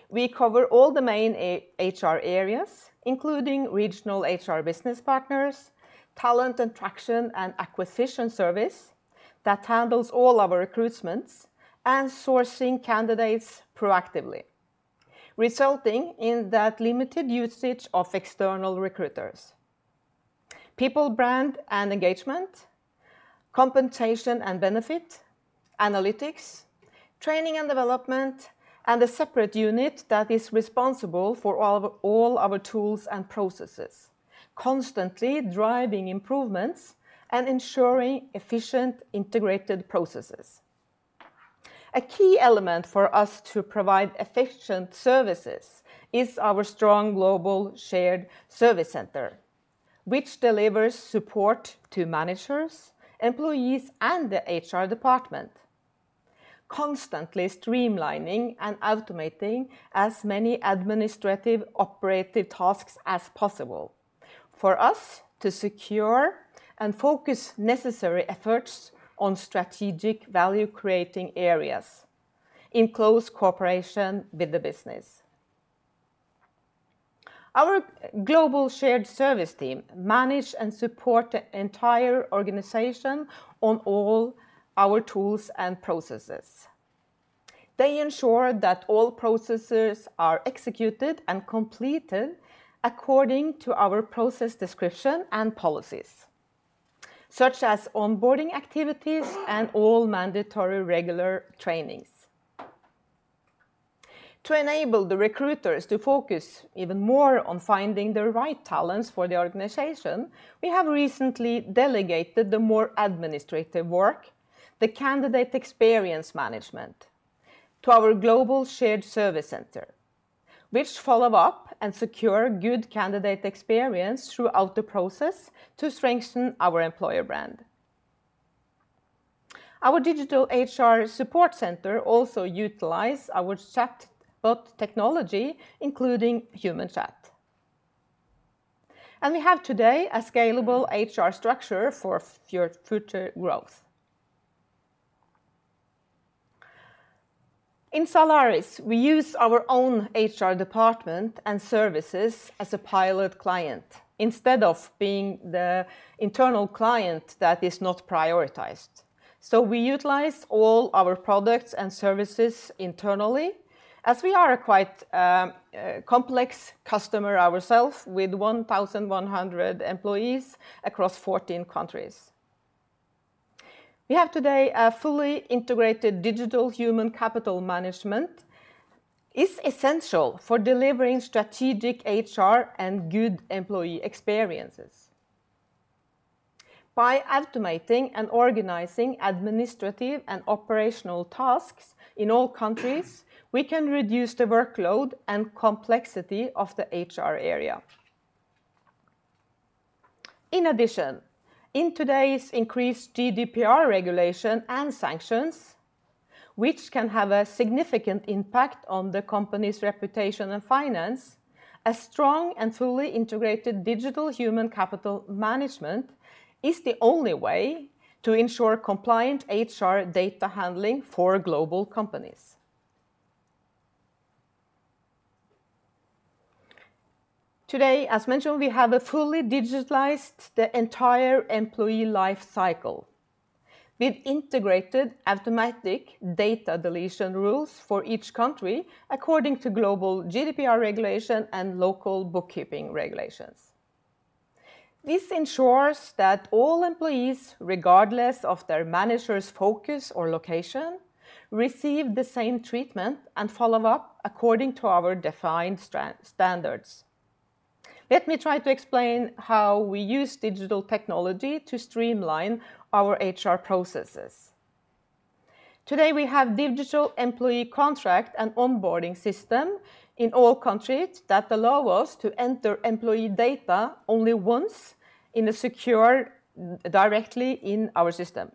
We cover all the main HR areas, including regional HR business partners, talent attraction, and acquisition service, that handles all our recruitments and sourcing candidates proactively, resulting in that limited usage of external recruiters. People Brand and engagement, compensation and benefit, analytics, training and development, and a separate unit that is responsible for all our tools and processes, constantly driving improvements and ensuring efficient, integrated processes. A key element for us to provide efficient services is our strong global shared service center, which delivers support to managers, employees, and the HR department, constantly streamlining and automating as many administrative operative tasks as possible for us to secure and focus necessary efforts on strategic value-creating areas in close cooperation with the business. Our global shared service team manage and support the entire organization on all our tools and processes. They ensure that all processes are executed and completed according to our process description and policies, such as onboarding activities and all mandatory regular trainings. To enable the recruiters to focus even more on finding the right talents for the organization, we have recently delegated the more administrative work, the candidate experience management, to our global shared service center, which follow up and secure good candidate experience throughout the process to strengthen our employer brand. Our digital HR support center also utilize our chatbot technology, including human chat. We have today a scalable HR structure for future growth. In Zalaris, we use our own HR department and services as a pilot client, instead of being the internal client that is not prioritized. We utilize all our products and services internally, as we are quite complex customer ourselves, with 1,100 employees across 14 countries. We have today a fully integrated digital human capital management. It's essential for delivering strategic HR and good employee experiences. By automating and organizing administrative and operational tasks in all countries, we can reduce the workload and complexity of the HR area. In addition, in today's increased GDPR regulation and sanctions, which can have a significant impact on the company's reputation and finance, a strong and fully integrated digital human capital management is the only way to ensure compliant HR data handling for global companies. Today, as mentioned, we have a fully digitalized the entire employee life cycle, with integrated automatic data deletion rules for each country, according to global GDPR regulation and local bookkeeping regulations.... This ensures that all employees, regardless of their manager's focus or location, receive the same treatment and follow up according to our defined standards. Let me try to explain how we use digital technology to streamline our HR processes. Today, we have digital employee contract and onboarding system in all countries that allow us to enter employee data only once in a secure, directly in our system.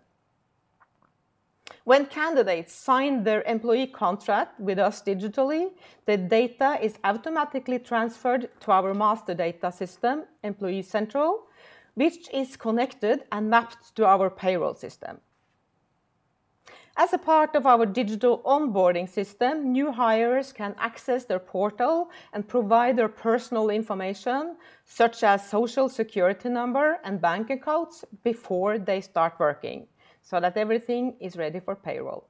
When candidates sign their employee contract with us digitally, the data is automatically transferred to our master data system, Employee Central, which is connected and mapped to our payroll system. As a part of our digital onboarding system, new hires can access their portal and provide their personal information, such as Social Security number and bank accounts, before they start working, so that everything is ready for payroll.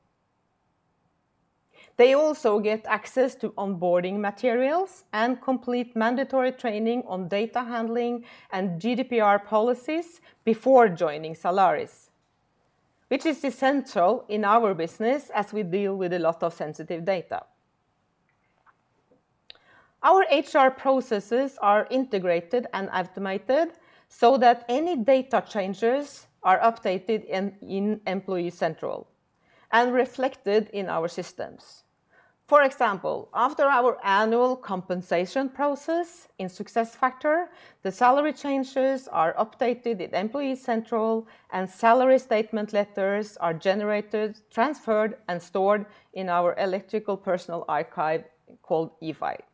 They also get access to onboarding materials and complete mandatory training on data handling and GDPR policies before joining Zalaris, which is essential in our business as we deal with a lot of sensitive data. Our HR processes are integrated and automated so that any data changes are updated in Employee Central and reflected in our systems. For example, after our annual compensation process in SuccessFactors, the salary changes are updated in Employee Central, and salary statement letters are generated, transferred, and stored in our electronic personal archive called eFile.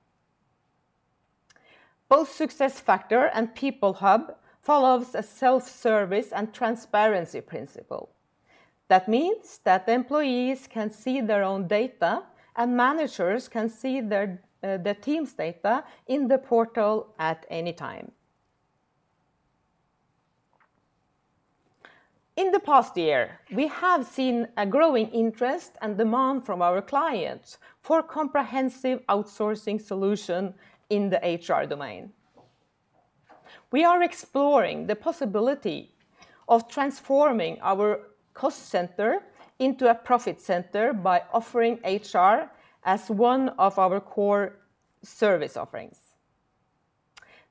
Both SuccessFactors and PeopleHub follow a self-service and transparency principle. That means that employees can see their own data, and managers can see their team's data in the portal at any time. In the past year, we have seen a growing interest and demand from our clients for comprehensive outsourcing solution in the HR domain. We are exploring the possibility of transforming our cost center into a profit center by offering HR as one of our core service offerings.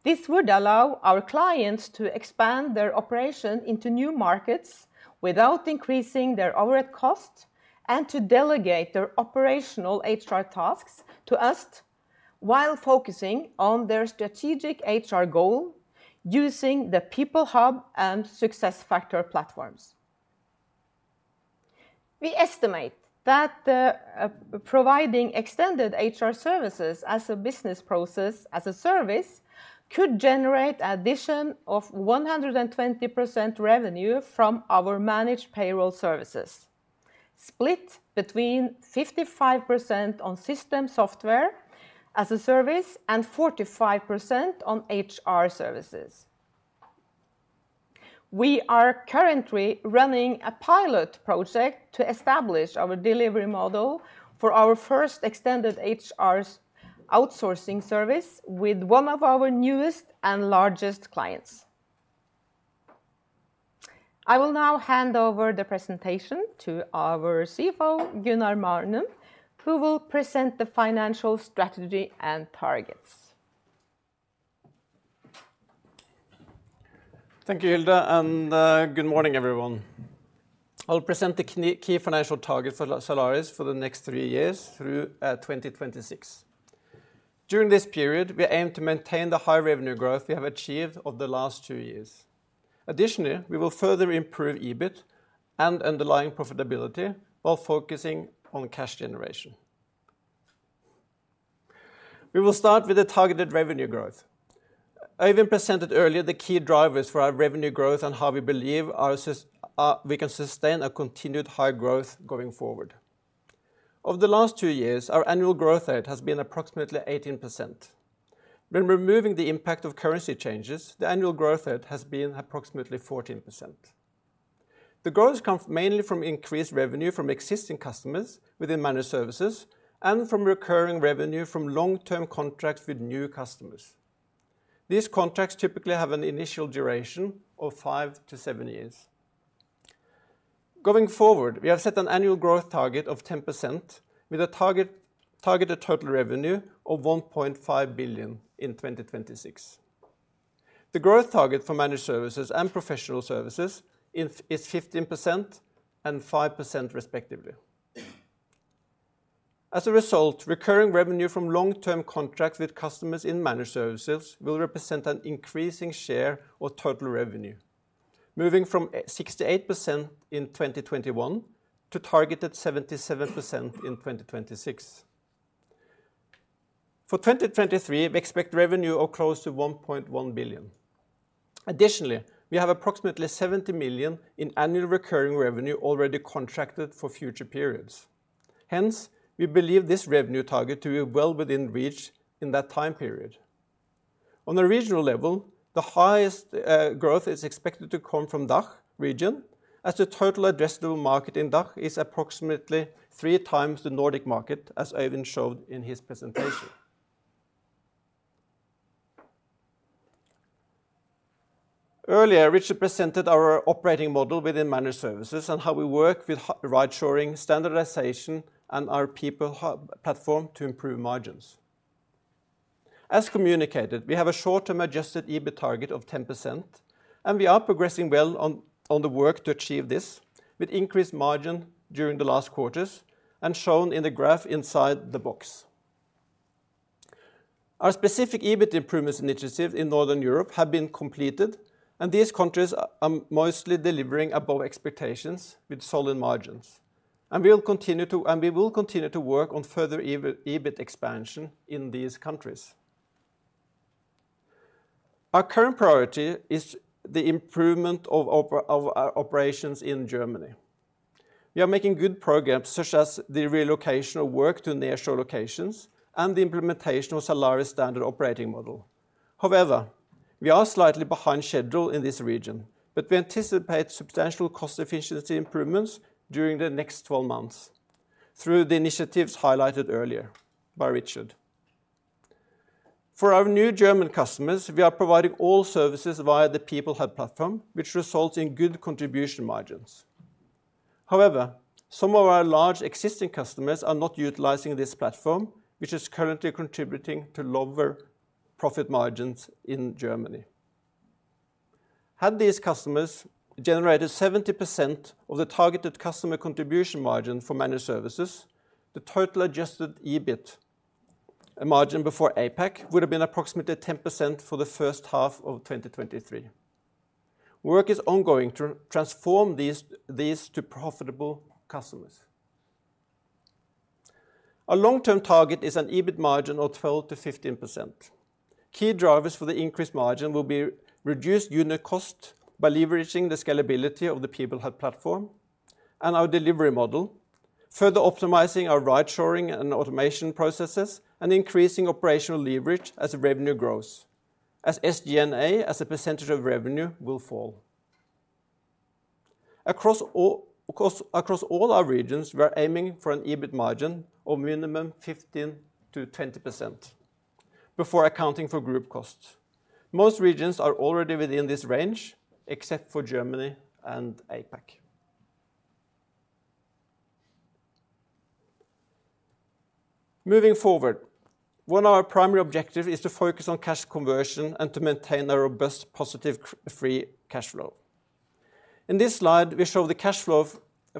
This would allow our clients to expand their operation into new markets without increasing their overhead cost, and to delegate their operational HR tasks to us, while focusing on their strategic HR goal using the People Hub and SuccessFactors platforms. We estimate that providing extended HR services as a business process, as a service, could generate addition of 120% revenue from our managed payroll services, split between 55% on system software as a service and 45% on HR services. We are currently running a pilot project to establish our delivery model for our first extended HR outsourcing service with one of our newest and largest clients. I will now hand over the presentation to our CFO, Gunnar Manum, who will present the financial strategy and targets. Thank you, Hilde, and good morning, everyone. I'll present the key financial targets for Zalaris for the next three years through 2026. During this period, we aim to maintain the high revenue growth we have achieved over the last two years. Additionally, we will further improve EBIT and underlying profitability while focusing on cash generation. We will start with the targeted revenue growth. Øyvind presented earlier the key drivers for our revenue growth and how we believe we can sustain a continued high growth going forward. Over the last two years, our annual growth rate has been approximately 18%. When removing the impact of currency changes, the annual growth rate has been approximately 14%. The growth comes mainly from increased revenue from existing customers within Managed Services and from recurring revenue from long-term contracts with new customers. These contracts typically have an initial duration of five to seven years. Going forward, we have set an annual growth target of 10%, with a target, targeted total revenue of 1.5 billion in 2026. The growth target for Managed Services and Professional Services is fifteen percent and 5%, respectively. As a result, recurring revenue from long-term contracts with customers in Managed Services will represent an increasing share of total revenue, moving from 68% in 2021 to targeted 77% in 2026. For 2023, we expect revenue of close to 1.1 billion. Additionally, we have approximately 70 million in annual recurring revenue already contracted for future periods. Hence, we believe this revenue target to be well within reach in that time period. On a regional level, the highest growth is expected to come from DACH region, as the total addressable market in DACH is approximately three times the Nordic market, as Øyvind showed in his presentation. Earlier, Richard presented our operating model within Managed Services and how we work with Rightshore, standardization, and our People Hub platform to improve margins. As communicated, we have a short-term adjusted EBIT target of 10%, and we are progressing well on the work to achieve this, with increased margin during the last quarters, and shown in the graph inside the box. Our specific EBIT improvements initiative in Northern Europe have been completed, and these countries are mostly delivering above expectations with solid margins. We will continue to work on further EBIT expansion in these countries. Our current priority is the improvement of our operations in Germany. We are making good progress, such as the relocation of work to nearshore locations and the implementation of Zalaris standard operating model. However, we are slightly behind schedule in this region, but we anticipate substantial cost efficiency improvements during the next 12 months through the initiatives highlighted earlier by Richard. For our new German customers, we are providing all services via the PeopleHub platform, which results in good contribution margins. However, some of our large existing customers are not utilizing this platform, which is currently contributing to lower profit margins in Germany. Had these customers generated 70% of the targeted customer contribution margin for Managed Services, the total adjusted EBIT, a margin before APAC, would have been approximately 10% for the first half of 2023. Work is ongoing to transform these to profitable customers. Our long-term target is an EBIT margin of 12%-15%. Key drivers for the increased margin will be reduced unit cost by leveraging the scalability of the PeopleHub platform and our delivery model, further optimizing our Rightshore and automation processes, and increasing operational leverage as revenue grows, as SG&A, as a percentage of revenue, will fall. Across all our regions, we are aiming for an EBIT margin of minimum 15%-20% before accounting for group costs. Most regions are already within this range, except for Germany and APAC. Moving forward, one of our primary objective is to focus on cash conversion and to maintain a robust, positive, free cash flow. In this slide, we show the cash flow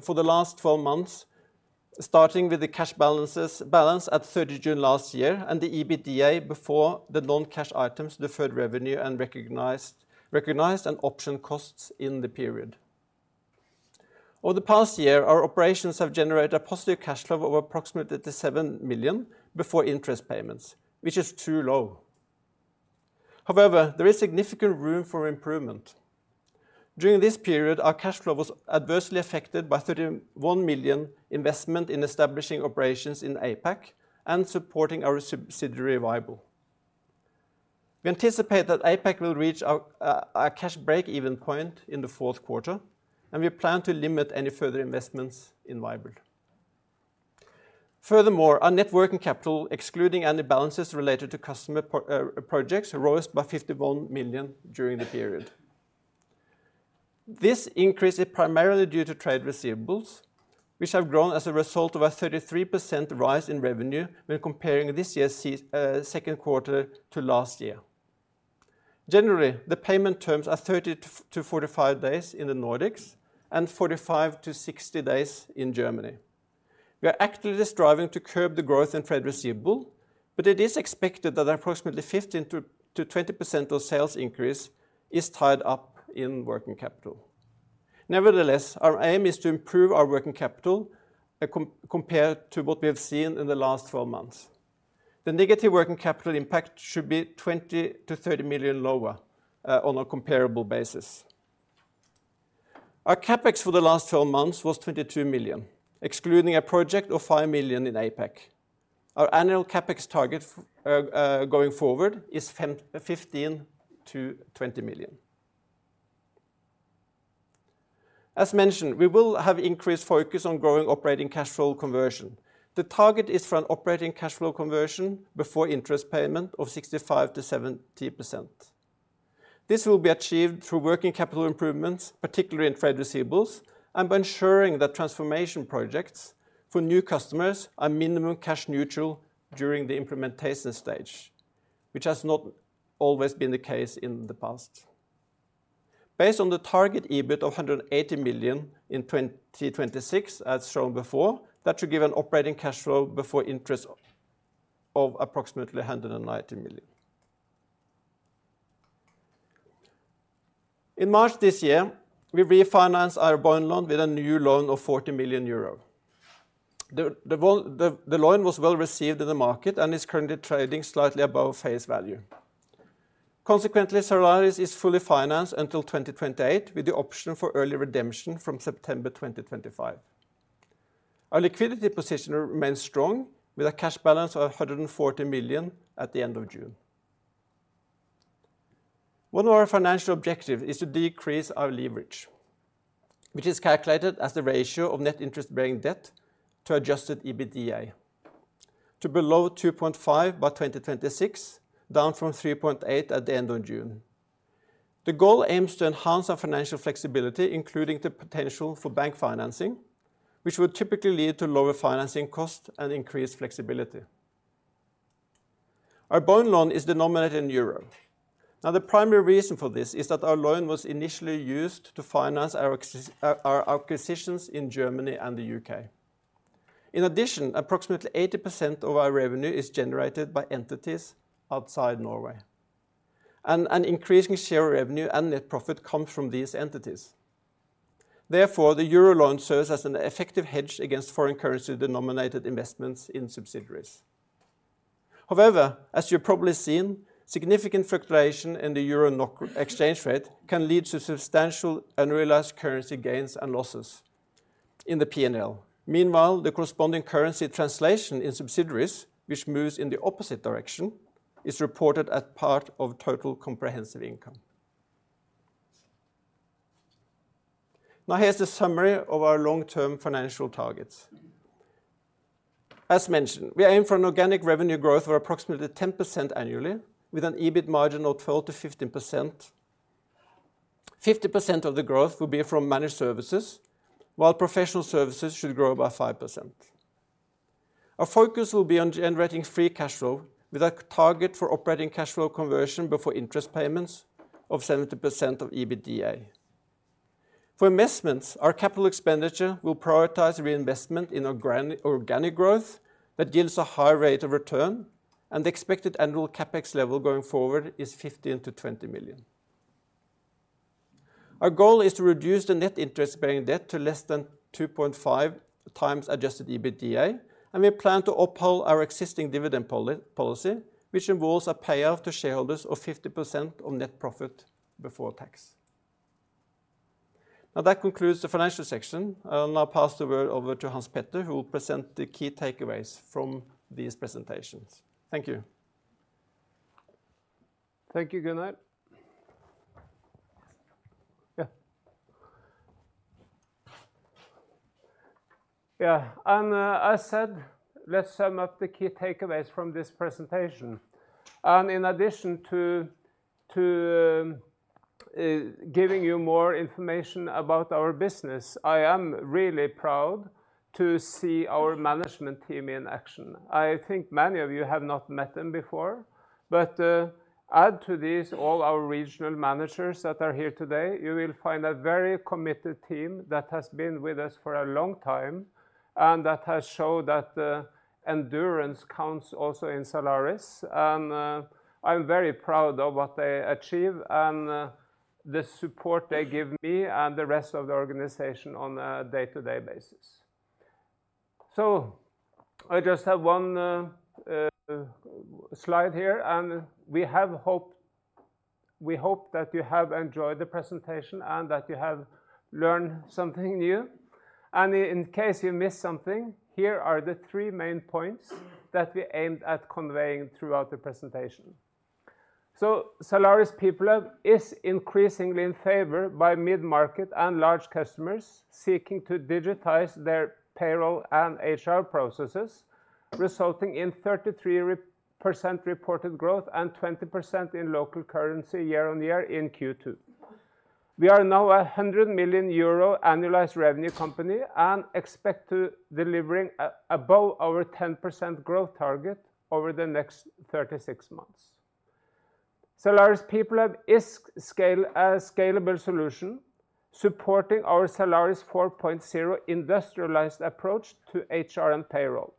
for the last twelve months, starting with the cash balance at 30 June last year and the EBITDA before the non-cash items, deferred revenue, and recognized and option costs in the period. Over the past year, our operations have generated a positive cash flow of approximately 37 million before interest payments, which is too low. However, there is significant room for improvement. During this period, our cash flow was adversely affected by 31 million investment in establishing operations in APAC and supporting our subsidiary, Vyble. We anticipate that APAC will reach a cash break-even point in the fourth quarter, and we plan to limit any further investments in Vyble. Furthermore, our net working capital, excluding any balances related to customer projects, rose by 51 million during the period. This increase is primarily due to trade receivables, which have grown as a result of a 33% rise in revenue when comparing this year's second quarter to last year. Generally, the payment terms are 30-45 days in the Nordics and 45-60 days in Germany. We are actively striving to curb the growth in trade receivable, but it is expected that approximately 15%-20% of sales increase is tied up in working capital. Nevertheless, our aim is to improve our working capital compared to what we have seen in the last four months. The negative working capital impact should be 20-30 million lower on a comparable basis. Our CapEx for the last 12 months was 22 million, excluding a project of 5 million in APAC. Our annual CapEx target going forward is 15 million-20 million. As mentioned, we will have increased focus on growing operating cash flow conversion. The target is for an operating cash flow conversion before interest payment of 65%-70%. This will be achieved through working capital improvements, particularly in trade receivables, and by ensuring that transformation projects for new customers are minimum cash neutral during the implementation stage, which has not always been the case in the past. Based on the target EBIT of 180 million in 2026, as shown before, that should give an operating cash flow before interest of approximately EUR 190 million. In March this year, we refinanced our bond loan with a new loan of 40 million euro. The loan was well received in the market and is currently trading slightly above face value. Consequently, Zalaris is fully financed until 2028, with the option for early redemption from September 2025. Our liquidity position remains strong, with a cash balance of 140 million at the end of June. One of our financial objectives is to decrease our leverage, which is calculated as the ratio of net interest-bearing debt to adjusted EBITDA, to below 2.5 by 2026, down from 3.8 at the end of June. The goal aims to enhance our financial flexibility, including the potential for bank financing, which would typically lead to lower financing costs and increased flexibility. Our bond loan is denominated in euro. Now, the primary reason for this is that our loan was initially used to finance our acquisitions in Germany and the UK. In addition, approximately 80% of our revenue is generated by entities outside Norway, and an increasing share of revenue and net profit comes from these entities. Therefore, the euro loan serves as an effective hedge against foreign currency-denominated investments in subsidiaries. However, as you've probably seen, significant fluctuation in the euro-NOK exchange rate can lead to substantial unrealized currency gains and losses in the P&L. Meanwhile, the corresponding currency translation in subsidiaries, which moves in the opposite direction, is reported as part of total comprehensive income. Now, here's a summary of our long-term financial targets. As mentioned, we aim for an organic revenue growth of approximately 10% annually, with an EBIT margin of 12%-15%. 50% of the growth will be from Managed Services, while Professional Services should grow by 5%. Our focus will be on generating free cash flow with a target for operating cash flow conversion before interest payments of 70% of EBITDA. For investments, our capital expenditure will prioritize reinvestment in our organic growth that gives a high rate of return, and the expected annual CapEx level going forward is 15-20 million. Our goal is to reduce the net interest-bearing debt to less than 2.5 times adjusted EBITDA, and we plan to uphold our existing dividend policy, which involves a payout to shareholders of 50% of net profit before tax. Now, that concludes the financial section. I will now pass the word over to Hans-Petter, who will present the key takeaways from these presentations. Thank you. Thank you, Gunnar. Yeah. Yeah, and, I said, let's sum up the key takeaways from this presentation. And in addition to, to, giving you more information about our business, I am really proud to see our management team in action. I think many of you have not met them before, but, add to this all our regional managers that are here today, you will find a very committed team that has been with us for a long time, and that has showed that, endurance counts also in Zalaris, and, I'm very proud of what they achieve and, the support they give me and the rest of the organization on a day-to-day basis. So I just have one, slide here, and we hope that you have enjoyed the presentation and that you have learned something new. In case you missed something, here are the three main points that we aimed at conveying throughout the presentation. So, Zalaris PeopleHub is increasingly in favor by mid-market and large customers seeking to digitize their payroll and HR processes, resulting in 33% reported growth and 20% in local currency year-on-year in Q2. We are now a 100 million euro annualized revenue company and expect to delivering above our 10% growth target over the next 36 months. Zalaris PeopleHub is scale, a scalable solution, supporting our Zalaris 4.0 industrialized approach to HR and payroll.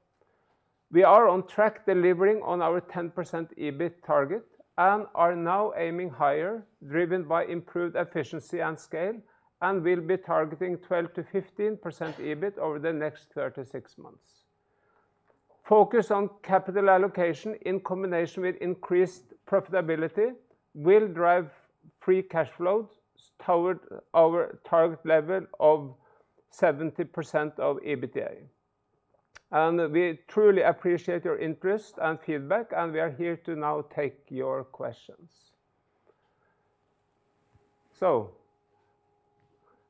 We are on track delivering on our 10% EBIT target and are now aiming higher, driven by improved efficiency and scale, and we'll be targeting 12%-15% EBIT over the next 36 months. Focus on capital allocation in combination with increased profitability will drive free cash flows toward our target level of 70% of EBITDA. We truly appreciate your interest and feedback, and we are here to now take your questions.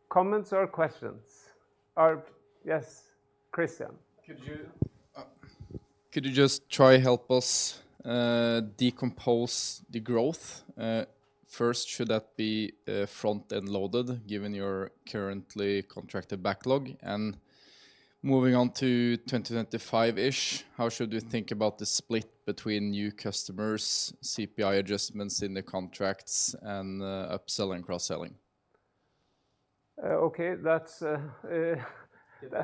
Comments or questions? Or... Yes, Christian. Could you just try help us decompose the growth? First, should that be front-end loaded, given your currently contracted backlog? And moving on to 2025-ish, how should we think about the split between new customers, CPI adjustments in the contracts, and upselling, cross-selling? Okay, that's Can you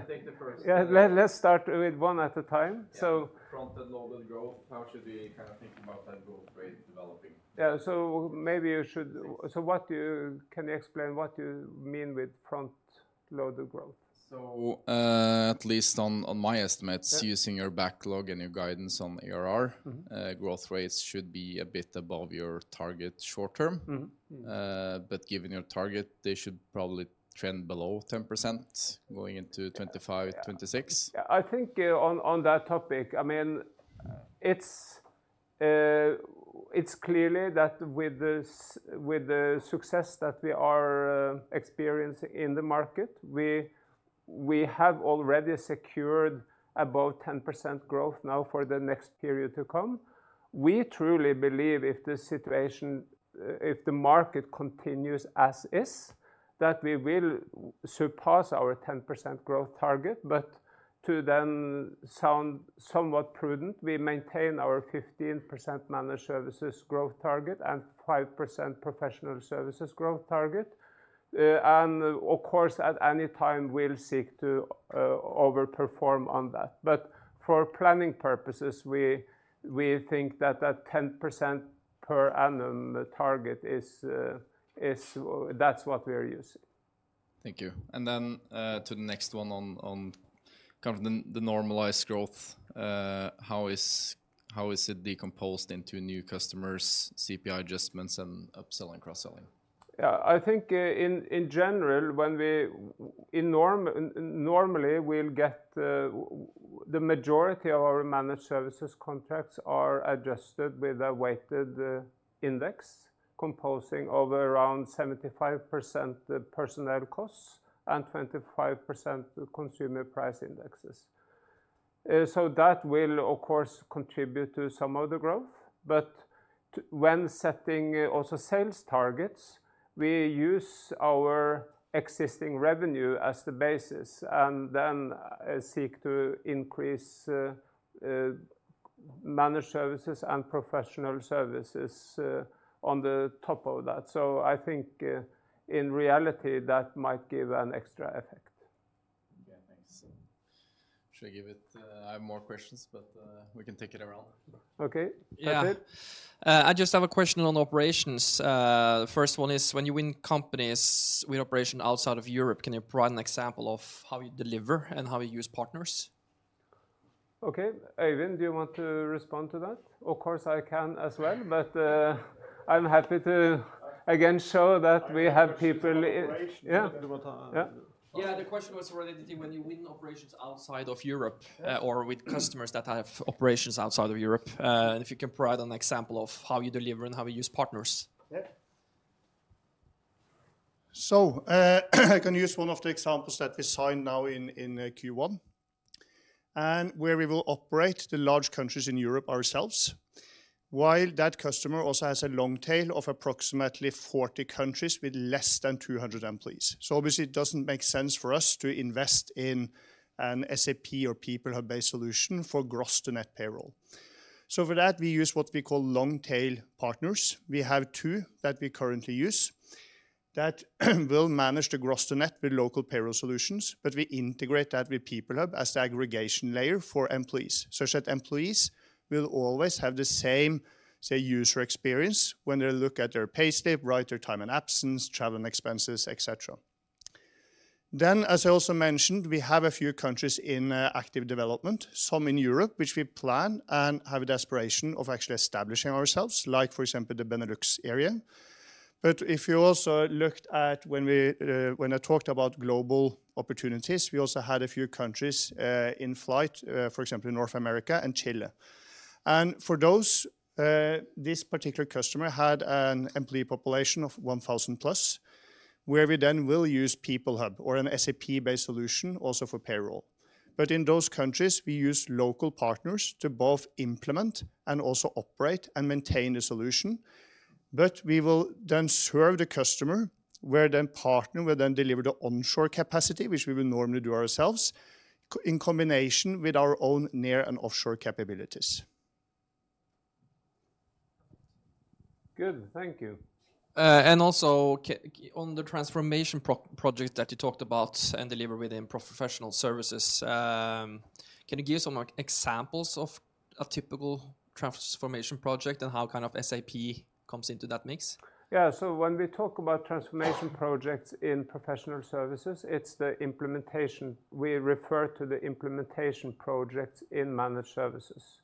take the first one? Yeah, let's start with one at a time. So- Yeah, front-end loaded growth, how should we kind of think about that growth rate developing? Yeah, so maybe you should- Yes. Can you explain what you mean with front-loaded growth? So, at least on my estimates- Yeah... using your backlog and your guidance on ARR- Mm-hmm... growth rates should be a bit above your target short term. Mm-hmm. Mm. Given your target, they should probably trend below 10% going into 2025, 2026. Yeah. I think, on that topic, I mean. It's clearly that with the success that we are experiencing in the market, we have already secured about 10% growth now for the next period to come. We truly believe if the situation, if the market continues as is, that we will surpass our 10% growth target, but to then sound somewhat prudent, we maintain our 15% Managed Services growth target and 5% Professional Services growth target. And of course, at any time, we'll seek to overperform on that. But for planning purposes, we think that that 10% per annum target is, that's what we are using. Thank you. And then to the next one on kind of the normalized growth, how is it decomposed into new customers, CPI adjustments, and upselling, cross-selling? Yeah, I think, in general, when we-- normally, we'll get, the majority of our Managed Services contracts are adjusted with a weighted index, composing of around 75% personnel costs and 25% consumer price indexes. So that will, of course, contribute to some of the growth, but to-- when setting also sales targets, we use our existing revenue as the basis and then, seek to increase, Managed Services and Professional Services, on the top of that. So I think, in reality, that might give an extra effect. Yeah, thanks. Should I give it...? I have more questions, but we can take it around. Okay. Yeah. That's it? I just have a question on operations. The first one is, when you win companies with operation outside of Europe, can you provide an example of how you deliver and how you use partners? Okay. Øyvind, do you want to respond to that? Of course, I can as well, but, I'm happy to, again, show that we have people in- Yeah. Yeah. Yeah, the question was related to when you win operations outside of Europe, or with customers that have operations outside of Europe, if you can provide an example of how you deliver and how you use partners. Yeah. So, I can use one of the examples that we signed now in Q1, and where we will operate the large countries in Europe ourselves, while that customer also has a long tail of approximately 40 countries with less than 200 employees. So obviously, it doesn't make sense for us to invest in an SAP or PeopleHub-based solution for gross to net payroll. So for that, we use what we call long-tail partners. We have two that we currently use that will manage the gross to net with local payroll solutions, but we integrate that with PeopleHub as the aggregation layer for employees, such that employees will always have the same, say, user experience when they look at their payslip, write their time and absence, travel and expenses, et cetera. Then, as I also mentioned, we have a few countries in active development, some in Europe, which we plan and have the aspiration of actually establishing ourselves, like, for example, the Benelux area. But if you also looked at when we, when I talked about global opportunities, we also had a few countries in flight, for example, North America and Chile. And for those, this particular customer had an employee population of 1,000+, where we then will use PeopleHub or an SAP-based solution also for payroll. But in those countries, we use local partners to both implement and also operate and maintain a solution. But we will then serve the customer, where then partner will then deliver the onshore capacity, which we would normally do ourselves in combination with our own near and offshore capabilities. Good, thank you. And also, on the transformation project that you talked about and deliver within Professional Services, can you give some like examples of a typical transformation project and how kind of SAP comes into that mix? Yeah. So when we talk about transformation projects in Professional Services, it's the implementation. We refer to the implementation projects in Managed Services.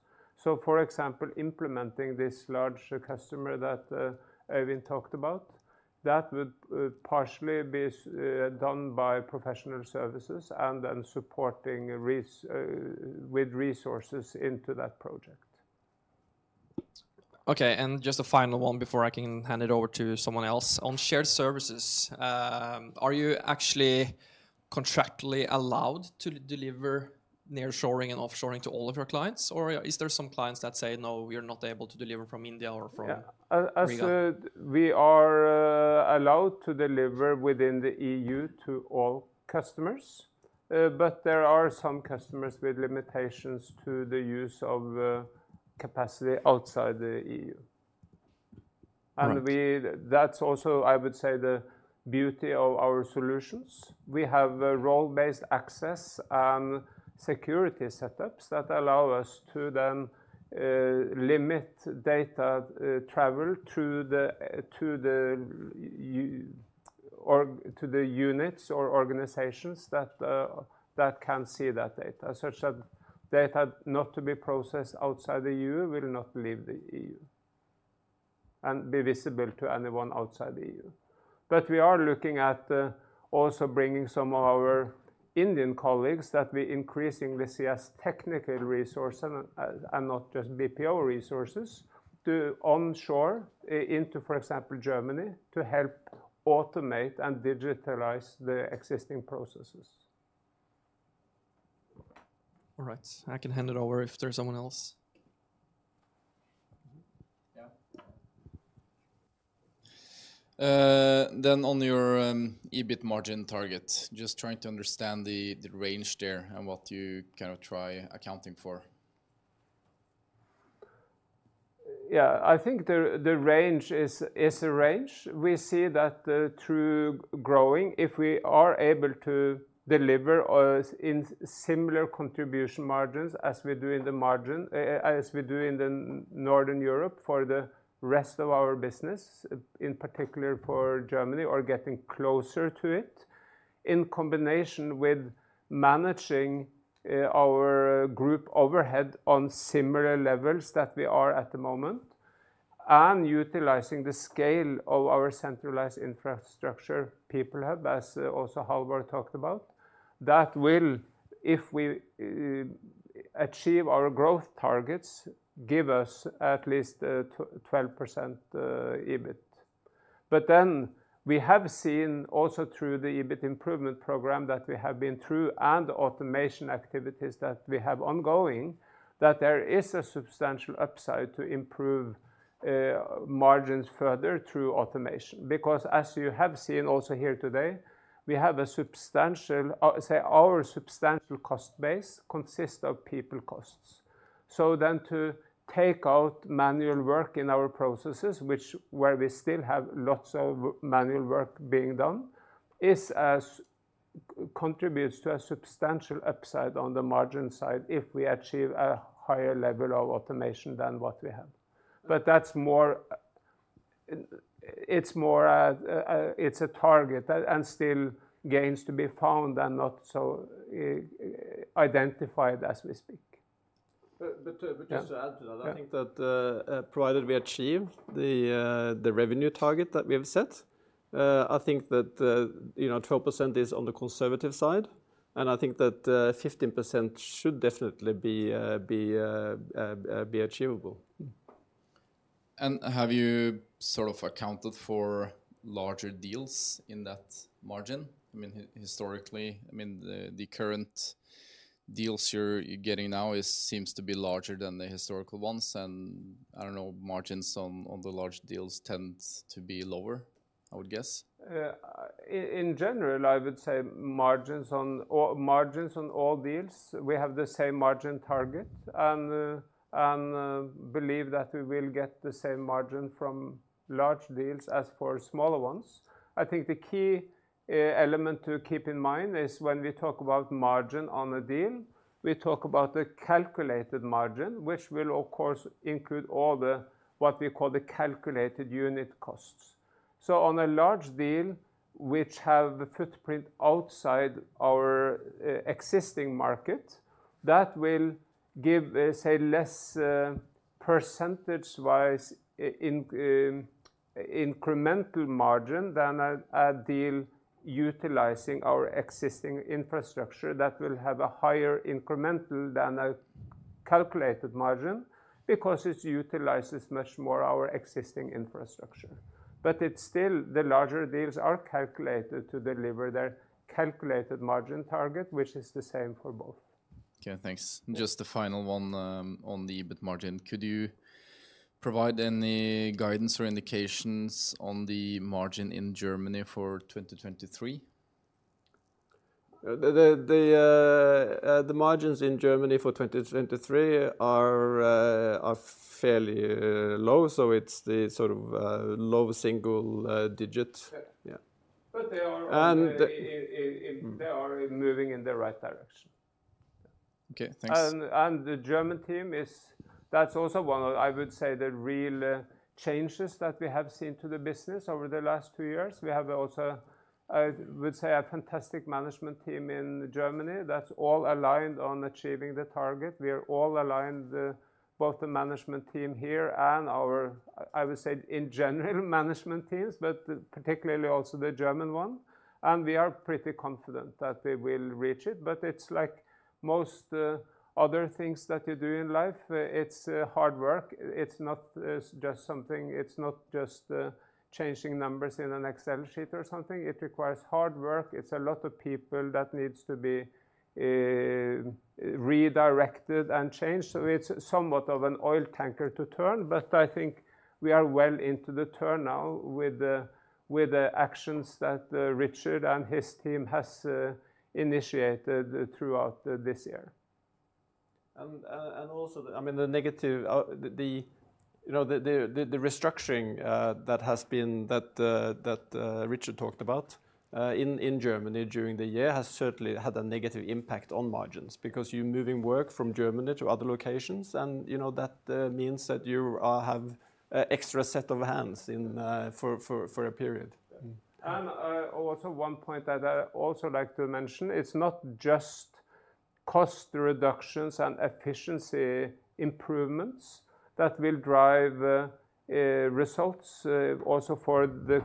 So for example, implementing this large customer that Øyvind talked about, that would partially be done by Professional Services and then supporting with resources into that project. Okay, and just a final one before I can hand it over to someone else. On shared services, are you actually contractually allowed to deliver nearshoring and offshoring to all of your clients, or is there some clients that say, "No, we are not able to deliver from India or from- Yeah. -Korea? As we are allowed to deliver within the EU to all customers, but there are some customers with limitations to the use of capacity outside the EU. Right. That's also, I would say, the beauty of our solutions. We have role-based access and security setups that allow us to limit data travel to the units or organizations that can see that data, such that data not to be processed outside the EU will not leave the EU and be visible to anyone outside the EU. We are looking at also bringing some of our Indian colleagues that we increasingly see as technical resource and not just BPO resources, to onshore into, for example, Germany, to help automate and digitalize the existing processes. All right. I can hand it over if there's someone else. Yeah. Then on your EBIT margin target, just trying to understand the range there and what you kind of try accounting for. Yeah, I think the range is a range. We see that through growing, if we are able to deliver or in similar contribution margins as we do in the margin as we do in Northern Europe for the rest of our business, in particular for Germany, or getting closer to it, in combination with managing our group overhead on similar levels that we are at the moment, and utilizing the scale of our centralized infrastructure people hub, as also Halvor talked about, that will, if we achieve our growth targets, give us at least twelve percent EBIT. But then we have seen also through the EBIT improvement program that we have been through, and automation activities that we have ongoing, that there is a substantial upside to improve margins further through automation. Because as you have seen also here today, we have a substantial cost base. Our substantial cost base consists of people costs. So then to take out manual work in our processes, where we still have lots of manual work being done, contributes to a substantial upside on the margin side if we achieve a higher level of automation than what we have. But that's more, it's more a target and still gains to be found and not so identified as we speak. But, Yeah... just to add to that- Yeah... I think that, provided we achieve the revenue target that we have set, I think that, you know, 12% is on the conservative side, and I think that 15% should definitely be achievable. Mm. Have you sort of accounted for larger deals in that margin? I mean, historically, I mean, the current deals you're getting now seem to be larger than the historical ones, and I don't know, margins on the large deals tend to be lower, I would guess. In general, I would say margins on, or margins on all deals, we have the same margin target, and believe that we will get the same margin from large deals as for smaller ones. I think the key element to keep in mind is when we talk about margin on a deal, we talk about the calculated margin, which will of course include all the, what we call the calculated unit costs. So on a large deal, which have a footprint outside our existing market, that will give, say, less percentage-wise in incremental margin than a deal utilizing our existing infrastructure that will have a higher incremental than a calculated margin because it utilizes much more our existing infrastructure. But it's still the larger deals are calculated to deliver their calculated margin target, which is the same for both. Okay, thanks. Just a final one, on the EBIT margin. Could you provide any guidance or indications on the margin in Germany for 2023? The margins in Germany for 2023 are fairly low, so it's the sort of low single digits. Yeah. Yeah. But they are- And- They are moving in the right direction. Okay, thanks. The German team is. That's also one of, I would say, the real changes that we have seen to the business over the last two years. We have also, I would say, a fantastic management team in Germany that's all aligned on achieving the target. We are all aligned, both the management team here and our, I would say, in general, management teams, but particularly also the German one, and we are pretty confident that we will reach it. But it's like most other things that you do in life, it's hard work. It's not just something. It's not just changing numbers in an Excel sheet or something. It requires hard work. It's a lot of people that needs to be redirected and changed, so it's somewhat of an oil tanker to turn, but I think we are well into the turn now with the actions that Richard and his team has initiated throughout this year. I mean, the negative, you know, the restructuring that has been, that Richard talked about in Germany during the year has certainly had a negative impact on margins. Because you're moving work from Germany to other locations, and, you know, that means that you have an extra set of hands in for a period. And, also one point that I also like to mention, it's not just cost reductions and efficiency improvements that will drive results also for the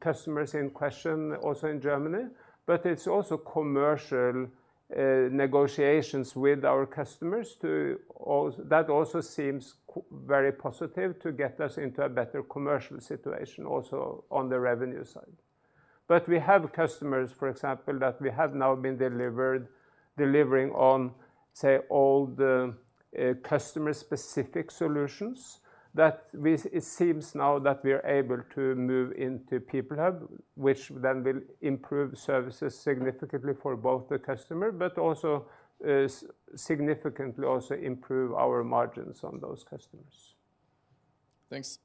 customers in question, also in Germany. But it's also commercial negotiations with our customers that also seems very positive to get us into a better commercial situation also on the revenue side. But we have customers, for example, that we have now been delivering on, say, all the customer-specific solutions, that it seems now that we are able to move into PeopleHub, which then will improve services significantly for both the customer, but also significantly also improve our margins on those customers. Thanks.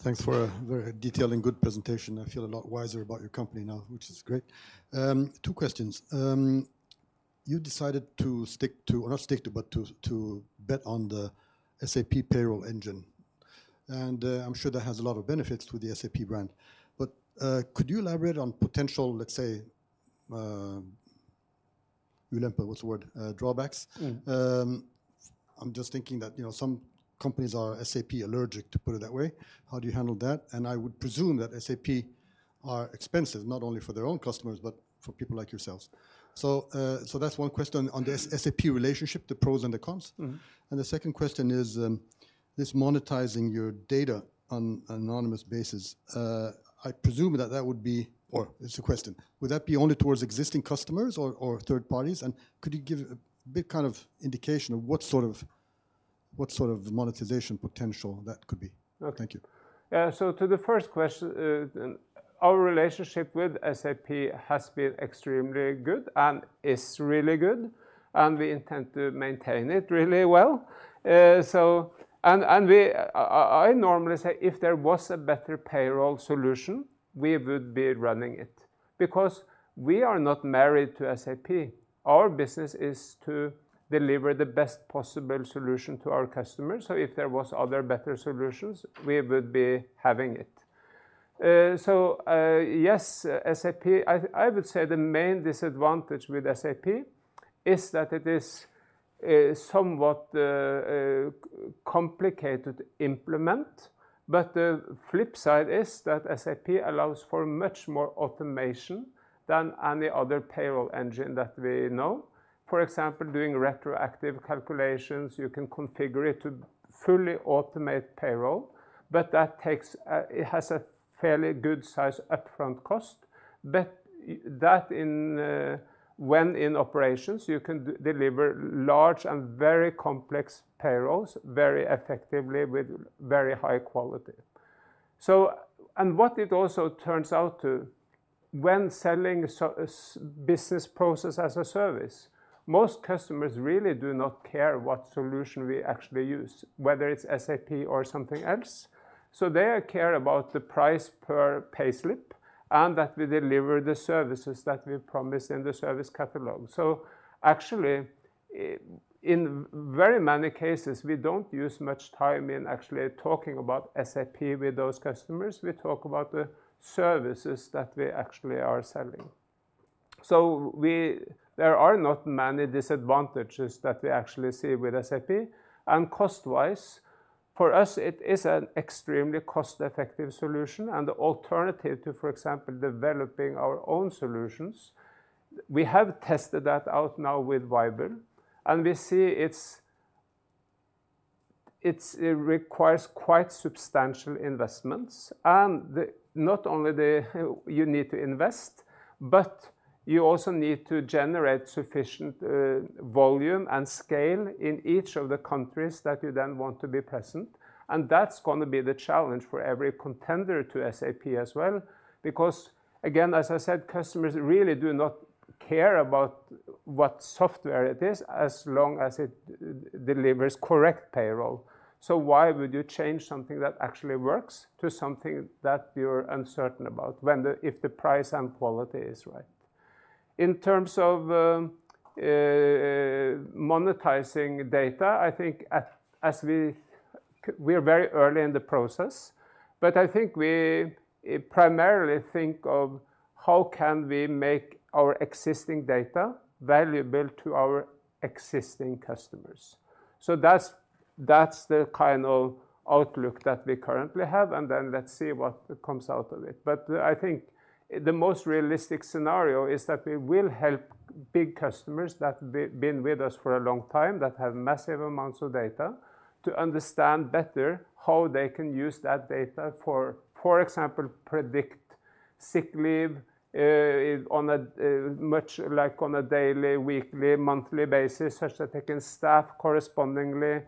Thanks for a very detailed and good presentation. I feel a lot wiser about your company now, which is great. Two questions. You decided to stick to, or not stick to, but to, to bet on the SAP Payroll engine. And, I'm sure that has a lot of benefits to the SAP brand. But, could you elaborate on potential, let's say, Ulemper, what's the word? Drawbacks. Mm. I'm just thinking that, you know, some companies are SAP allergic, to put it that way. How do you handle that? And I would presume that SAP are expensive, not only for their own customers, but for people like yourselves. So, so that's one question on the SAP relationship, the pros and the cons. Mm-hmm. The second question is, this monetizing your data on an anonymous basis. I presume that that would be, or it's a question, would that be only towards existing customers or, or third parties? Could you give a big kind of indication of what sort of, what sort of monetization potential that could be? Okay. Thank you. So to the first question, our relationship with SAP has been extremely good and is really good, and we intend to maintain it really well. So, we normally say if there was a better payroll solution, we would be running it, because we are not married to SAP. Our business is to deliver the best possible solution to our customers, so if there was other better solutions, we would be having it. So, yes, SAP, I would say the main disadvantage with SAP is that it is somewhat complicated to implement, but the flip side is that SAP allows for much more automation than any other payroll engine that we know. For example, doing retroactive calculations, you can configure it to fully automate payroll, but that takes a, it has a fairly good size upfront cost. When in operations, you can deliver large and very complex payrolls very effectively with very high quality. What it also turns out to, when selling business process as a service, most customers really do not care what solution we actually use, whether it's SAP or something else. They care about the price per payslip and that we deliver the services that we promise in the service catalog. Actually, in very many cases, we don't use much time in actually talking about SAP with those customers. We talk about the services that we actually are selling. There are not many disadvantages that we actually see with SAP. Cost-wise, for us, it is an extremely cost-effective solution and alternative to, for example, developing our own solutions. We have tested that out now with Vyble, and we see it requires quite substantial investments. Not only do you need to invest, but you also need to generate sufficient volume and scale in each of the countries that you then want to be present, and that's going to be the challenge for every contender to SAP as well. Because, again, as I said, customers really do not care about what software it is, as long as it delivers correct payroll. So why would you change something that actually works to something that you're uncertain about, when the price and quality is right? In terms of monetizing data, I think as we... We're very early in the process, but I think we primarily think of: how can we make our existing data valuable to our existing customers? That's the kind of outlook that we currently have, and let's see what comes out of it. I think the most realistic scenario is that we will help big customers that have been with us for a long time, that have massive amounts of data, to understand better how they can use that data for, for example, predict sick leave, much like on a daily, weekly, monthly basis, such that they can staff correspondingly.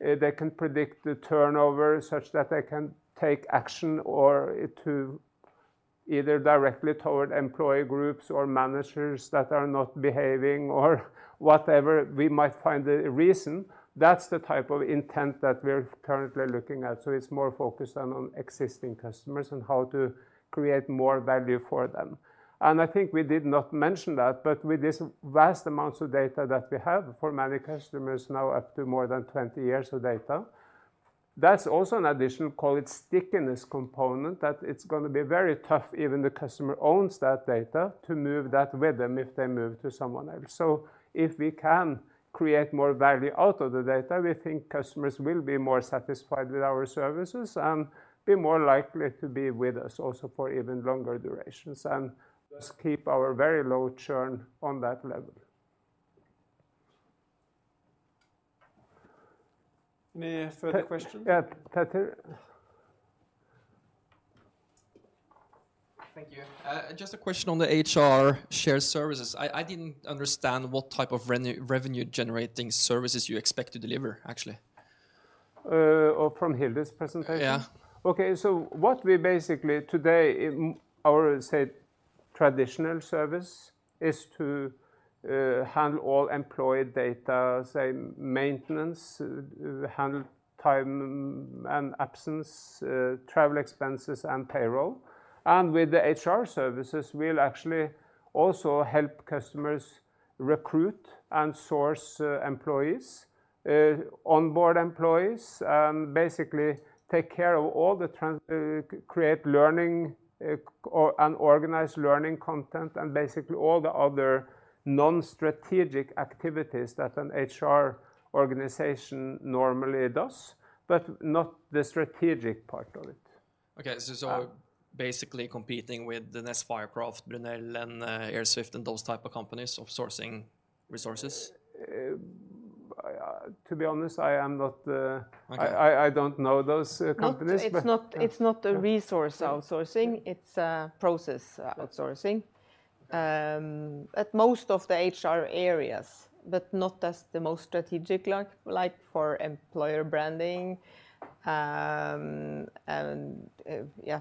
They can predict the turnover such that they can take action either directly toward employee groups or managers that are not behaving, or whatever we might find the reason. That's the type of intent that we're currently looking at. It's more focused on existing customers and how to create more value for them. I think we did not mention that, but with this vast amounts of data that we have for many customers now up to more than 20 years of data. That's also an additional, call it, stickiness component, that it's gonna be very tough, even the customer owns that data, to move that with them if they move to someone else. So if we can create more value out of the data, we think customers will be more satisfied with our services and be more likely to be with us also for even longer durations, and just keep our very low churn on that level. Any further questions? Yeah, Peter. Thank you. Just a question on the HR shared services. I didn't understand what type of revenue generating services you expect to deliver, actually? From Hilde's presentation? Yeah. Okay. What we basically, today, in our, say, traditional service, is to handle all employee data, say, maintenance, handle time and absence, travel expenses, and payroll. With the HR services, we'll actually also help customers recruit and source employees, onboard employees, and basically take care of all the trans- create learning, or, and organize learning content, and basically all the other non-strategic activities that an HR organization normally does, but not the strategic part of it. Okay. Um- So, basically competing with the NES Fircroft, Brunel, and Airswift, and those type of companies of sourcing resources? I, to be honest, I am not, Okay... I don't know those companies. No, it's not. Yeah... it's not a resource outsourcing- Yeah... it's a process outsourcing. At most of the HR areas, but not as the most strategic, like, like for employer branding, and, yeah,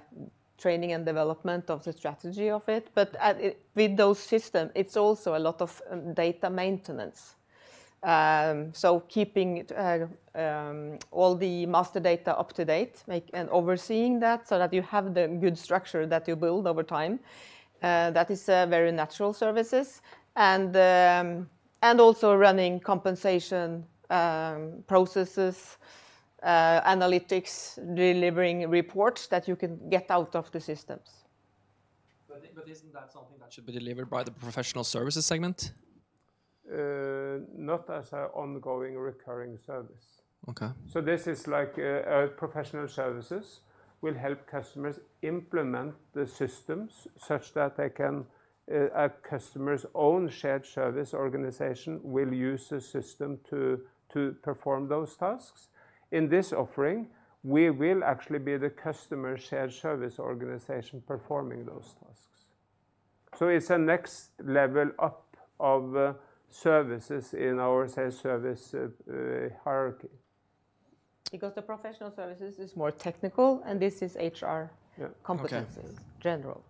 training and development of the strategy of it. But at, with those system, it's also a lot of data maintenance. So keeping, all the master data up to date, make, and overseeing that so that you have the good structure that you build over time, that is a very natural services. And, and also running compensation, processes, analytics, delivering reports that you can get out of the systems. But isn't that something that should be delivered by the Professional Services segment? Not as an ongoing recurring service. Okay. This is like, Professional Services will help customers implement the systems such that they can, a customer's own shared service organization will use the system to perform those tasks. In this offering, we will actually be the customer shared service organization performing those tasks. It's a next level up of services in our shared services hierarchy. Because the Professional Services is more technical, and this is HR- Yeah... competencies- Okay... general.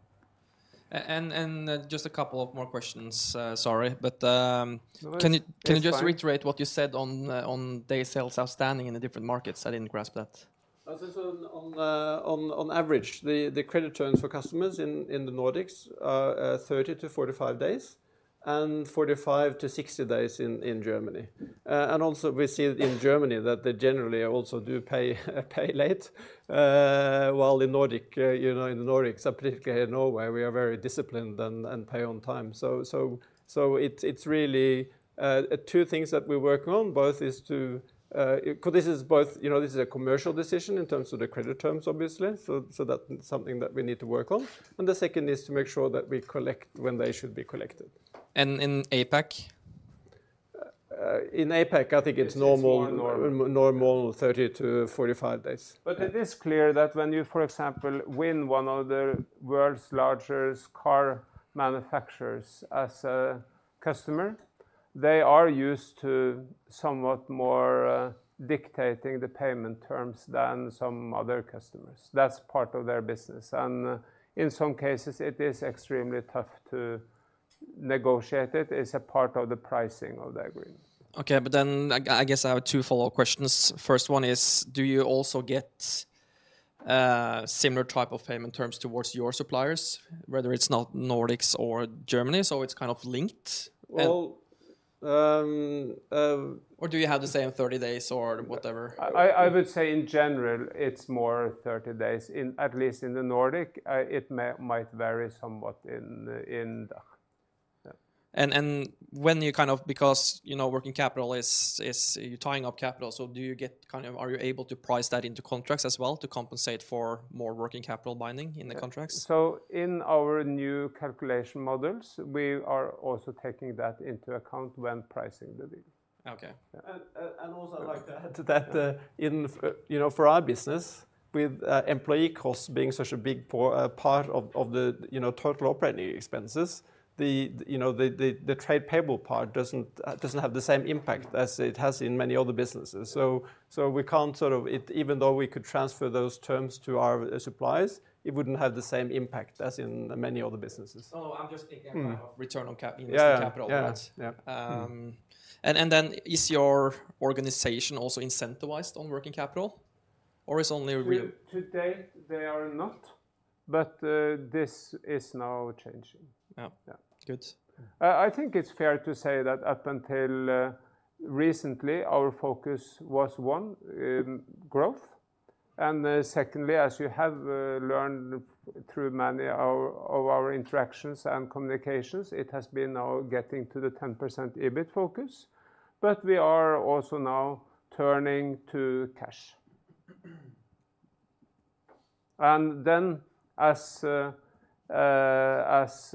And just a couple of more questions, sorry. But No, it's, it's fine.... can you just reiterate what you said on days sales outstanding in the different markets? I didn't grasp that. This is on average the credit terms for customers in the Nordics are 30-45 days, and 45-60 days in Germany. And also we see that in Germany that they generally also do pay late. While in the Nordics, you know, particularly in Norway, we are very disciplined and pay on time. So it's really two things that we're working on. Both is to, because this is both. You know, this is a commercial decision in terms of the credit terms, obviously, so that's something that we need to work on. And the second is to make sure that we collect when they should be collected. In APAC? In APAC, I think it's normal- It's more normal.... normal 30-45 days. But it is clear that when you, for example, win one of the world's largest car manufacturers as a customer, they are used to somewhat more, dictating the payment terms than some other customers. That's part of their business, and in some cases, it is extremely tough to negotiate it. It's a part of the pricing of the agreement. Okay, but then I guess I have two follow-up questions. First one is, do you also get similar type of payment terms towards your suppliers, whether it's Nordics or Germany, so it's kind of linked? And- Well, Or do you have the same 30 days or whatever? I would say in general, it's more 30 days, at least in the Nordics. It may, might vary somewhat. When you kind of, because, you know, working capital is you're tying up capital, so are you able to price that into contracts as well, to compensate for more working capital binding in the contracts? In our new calculation models, we are also taking that into account when pricing the deal. Okay. I'd like to add to that, you know, for our business, with employee costs being such a big part of the, you know, total operating expenses, the, you know, the trade payable part doesn't have the same impact as it has in many other businesses. We can't sort of, even though we could transfer those terms to our suppliers, it wouldn't have the same impact as in many other businesses. Oh, I'm just thinking- Hmm... of return on capital, interest on capital. Yeah, yeah. Yeah. And then, is your organization also incentivized on working capital, or it's only re- To date, they are not.... but this is now changing. Yeah. Yeah. Good. I think it's fair to say that up until recently, our focus was, one, growth, and secondly, as you have learned through many of our interactions and communications, it has been now getting to the 10% EBIT focus, but we are also now turning to cash. And then as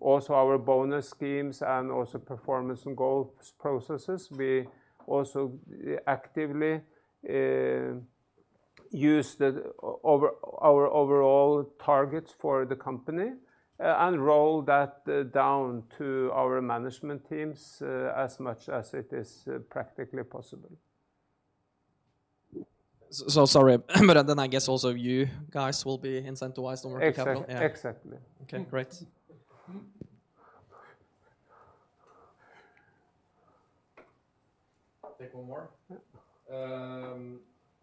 also our bonus schemes and also performance and goals processes, we also actively use our overall targets for the company, and roll that down to our management teams, as much as it is practically possible. So sorry, but then I guess also you guys will be incentivized on working capital? Exact- exactly. Okay, great. Take one more? Yeah.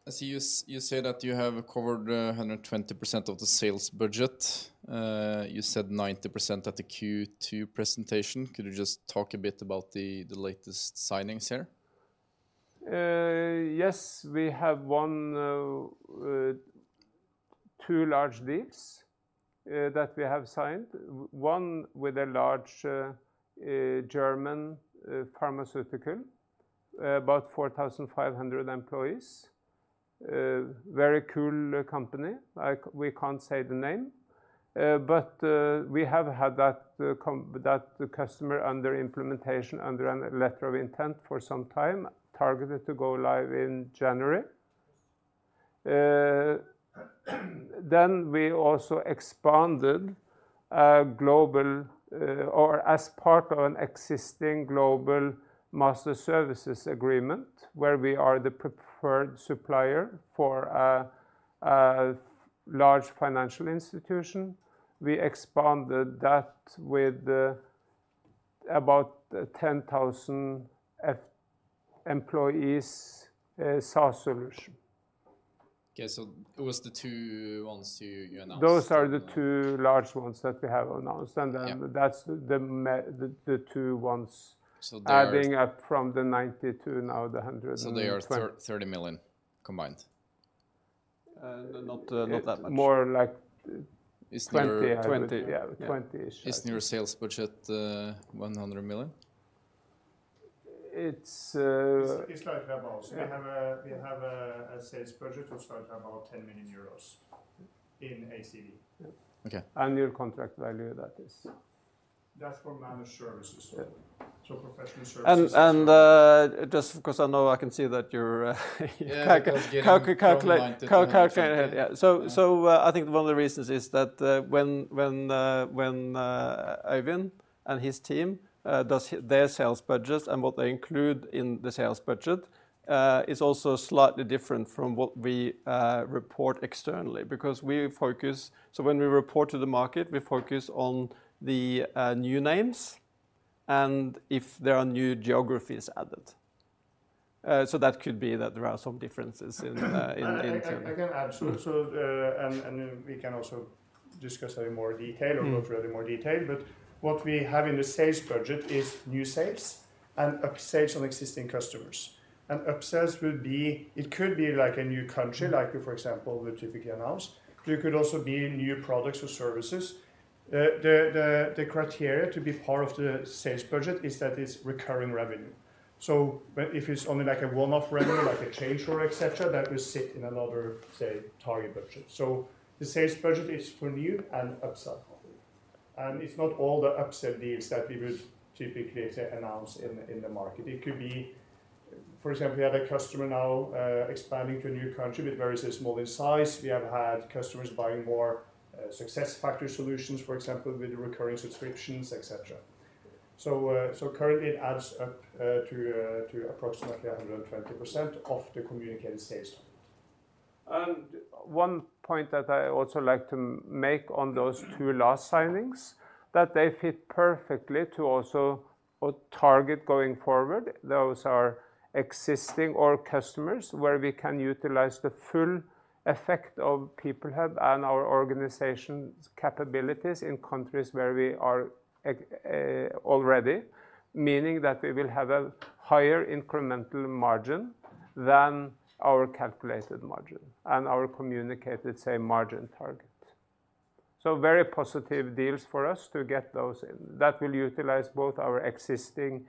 I see you say that you have covered 120% of the sales budget. You said 90% at the Q2 presentation. Could you just talk a bit about the latest signings here? Yes, we have one, two large deals that we have signed, one with a large German pharmaceutical, about 4,500 employees. Very cool company. Like, we can't say the name, but we have had that company that customer under implementation, under a letter of intent for some time, targeted to go live in January. Then we also expanded global or as part of an existing global master services agreement, where we are the preferred supplier for a large financial institution. We expanded that with about 10,000 employees, SaaS solution. Okay, so it was the two ones you, you announced? Those are the two large ones that we have announced. Yeah. And then that's the two ones- So they are- adding up from the 90 to now the 120. So they are 30 million combined? Not that much. More like- Is there-... twenty. Twenty. Yeah, twenty-ish. Isn't your sales budget 100 million? It's, uh- It's slightly above. Yeah. We have a sales budget of slightly about 10 million euros in ACV. Okay. Annual contract value, that is. That's for Managed Services only. Yeah. Professional services- Just 'cause I know I can see that you're— Yeah, I was getting-... calculate, yeah. So, I think one of the reasons is that when Øyvind and his team do their sales budget and what they include in the sales budget is also slightly different from what we report externally because we focus... So when we report to the market, we focus on the new names and if there are new geographies added. So that could be that there are some differences in... I can add. We can also discuss that in more detail- Mm... or go through that in more detail. But what we have in the sales budget is new sales and upsales on existing customers. And upsales will be. It could be like a new country, like, for example, which we announced. It could also be new products or services. The criteria to be part of the sales budget is that it's recurring revenue. So but if it's only like a one-off revenue, like a change or et cetera, that will sit in another, say, target budget. So the sales budget is for new and upsell, and it's not all the upsell deals that we would typically announce in the market. It could be, for example, we have a customer now, expanding to a new country, but very small in size. We have had customers buying more, SuccessFactors solutions, for example, with recurring subscriptions, et cetera. So, currently it adds up to approximately 100% of the communicated sales. One point that I also like to make on those two last signings is that they fit perfectly to also a target going forward. Those are existing customers, where we can utilize the full effect of PeopleHub and our organization's capabilities in countries where we are already, meaning that we will have a higher incremental margin than our calculated margin and our communicated, say, margin target. Very positive deals for us to get those in. That will utilize both our existing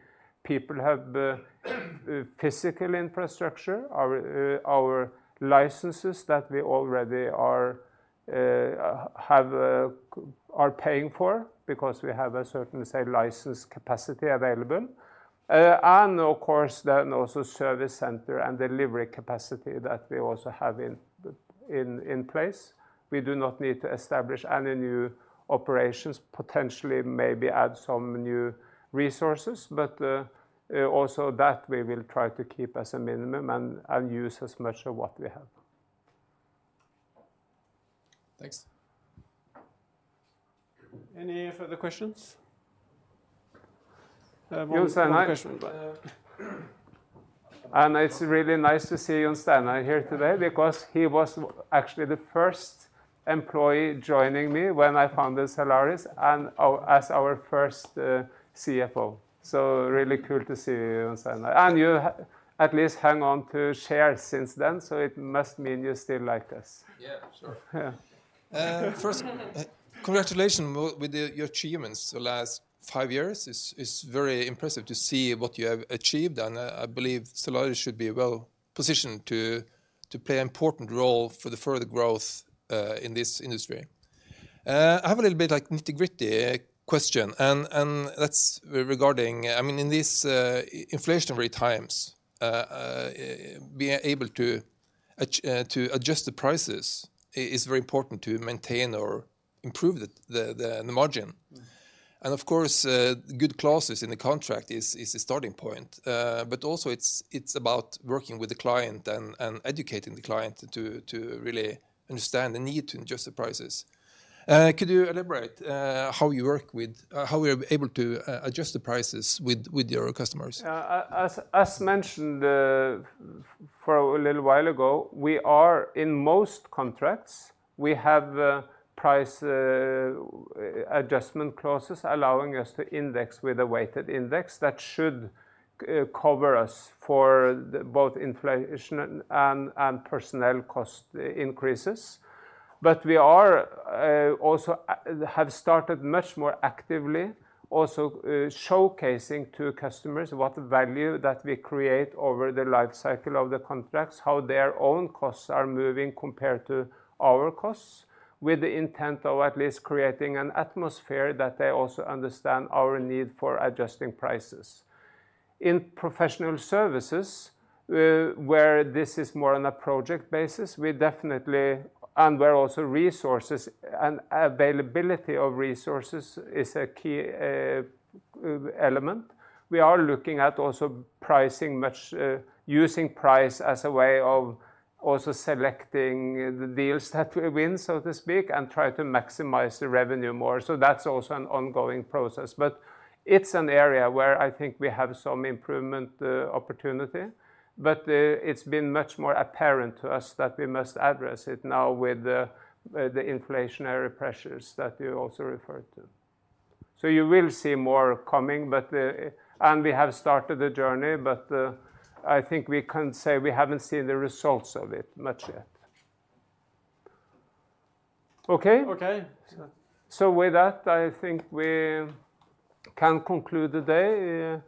PeopleHub physical infrastructure, our licenses that we already have, are paying for because we have a certain, say, license capacity available, and of course, then also service center and delivery capacity that we also have in place. We do not need to establish any new operations, potentially, maybe add some new resources, but also that we will try to keep as a minimum and use as much of what we have. Thanks.... Any further questions? Jon Steinar. It's really nice to see Jon Steinar here today, because he was actually the first employee joining me when I founded Zalaris, as our first CFO. Really cool to see you, Jon Stene. And you have at least hang on to shares since then, so it must mean you still like us. Yeah, sure. Yeah. First, congratulations with your achievements the last five years. It's very impressive to see what you have achieved, and I believe Zalaris should be well positioned to play an important role for the further growth in this industry. I have a little bit like nitty-gritty question, and that's regarding... I mean, in these inflationary times, being able to adjust the prices is very important to maintain or improve the margin. Mm. And of course, good clauses in the contract is a starting point. But also it's about working with the client and educating the client to really understand the need to adjust the prices. Could you elaborate how we are able to adjust the prices with your customers? Yeah. As mentioned, for a little while ago, we are in most contracts, we have price adjustment clauses allowing us to index with a weighted index that should cover us for both inflation and personnel cost increases. We have also started much more actively showcasing to customers what value that we create over the life cycle of the contracts, how their own costs are moving compared to our costs, with the intent of at least creating an atmosphere that they also understand our need for adjusting prices. In Professional Services, where this is more on a project basis, we definitely... And where also resources and availability of resources is a key element, we are looking at also pricing much, using price as a way of also selecting the deals that we win, so to speak, and try to maximize the revenue more. So that's also an ongoing process. But it's an area where I think we have some improvement opportunity, but it's been much more apparent to us that we must address it now with the inflationary pressures that you also referred to. So you will see more coming, but and we have started the journey, but I think we can say we haven't seen the results of it much yet. Okay? Okay. So with that, I think we can conclude the day.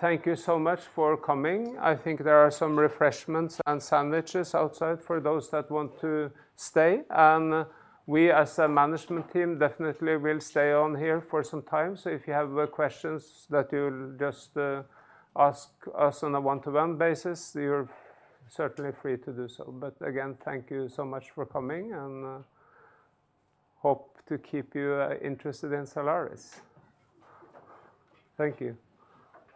Thank you so much for coming. I think there are some refreshments and sandwiches outside for those that want to stay, and we as a management team definitely will stay on here for some time. So if you have questions that you'll just ask us on a one-to-one basis, you're certainly free to do so. But again, thank you so much for coming, and hope to keep you interested in Zalaris. Thank you.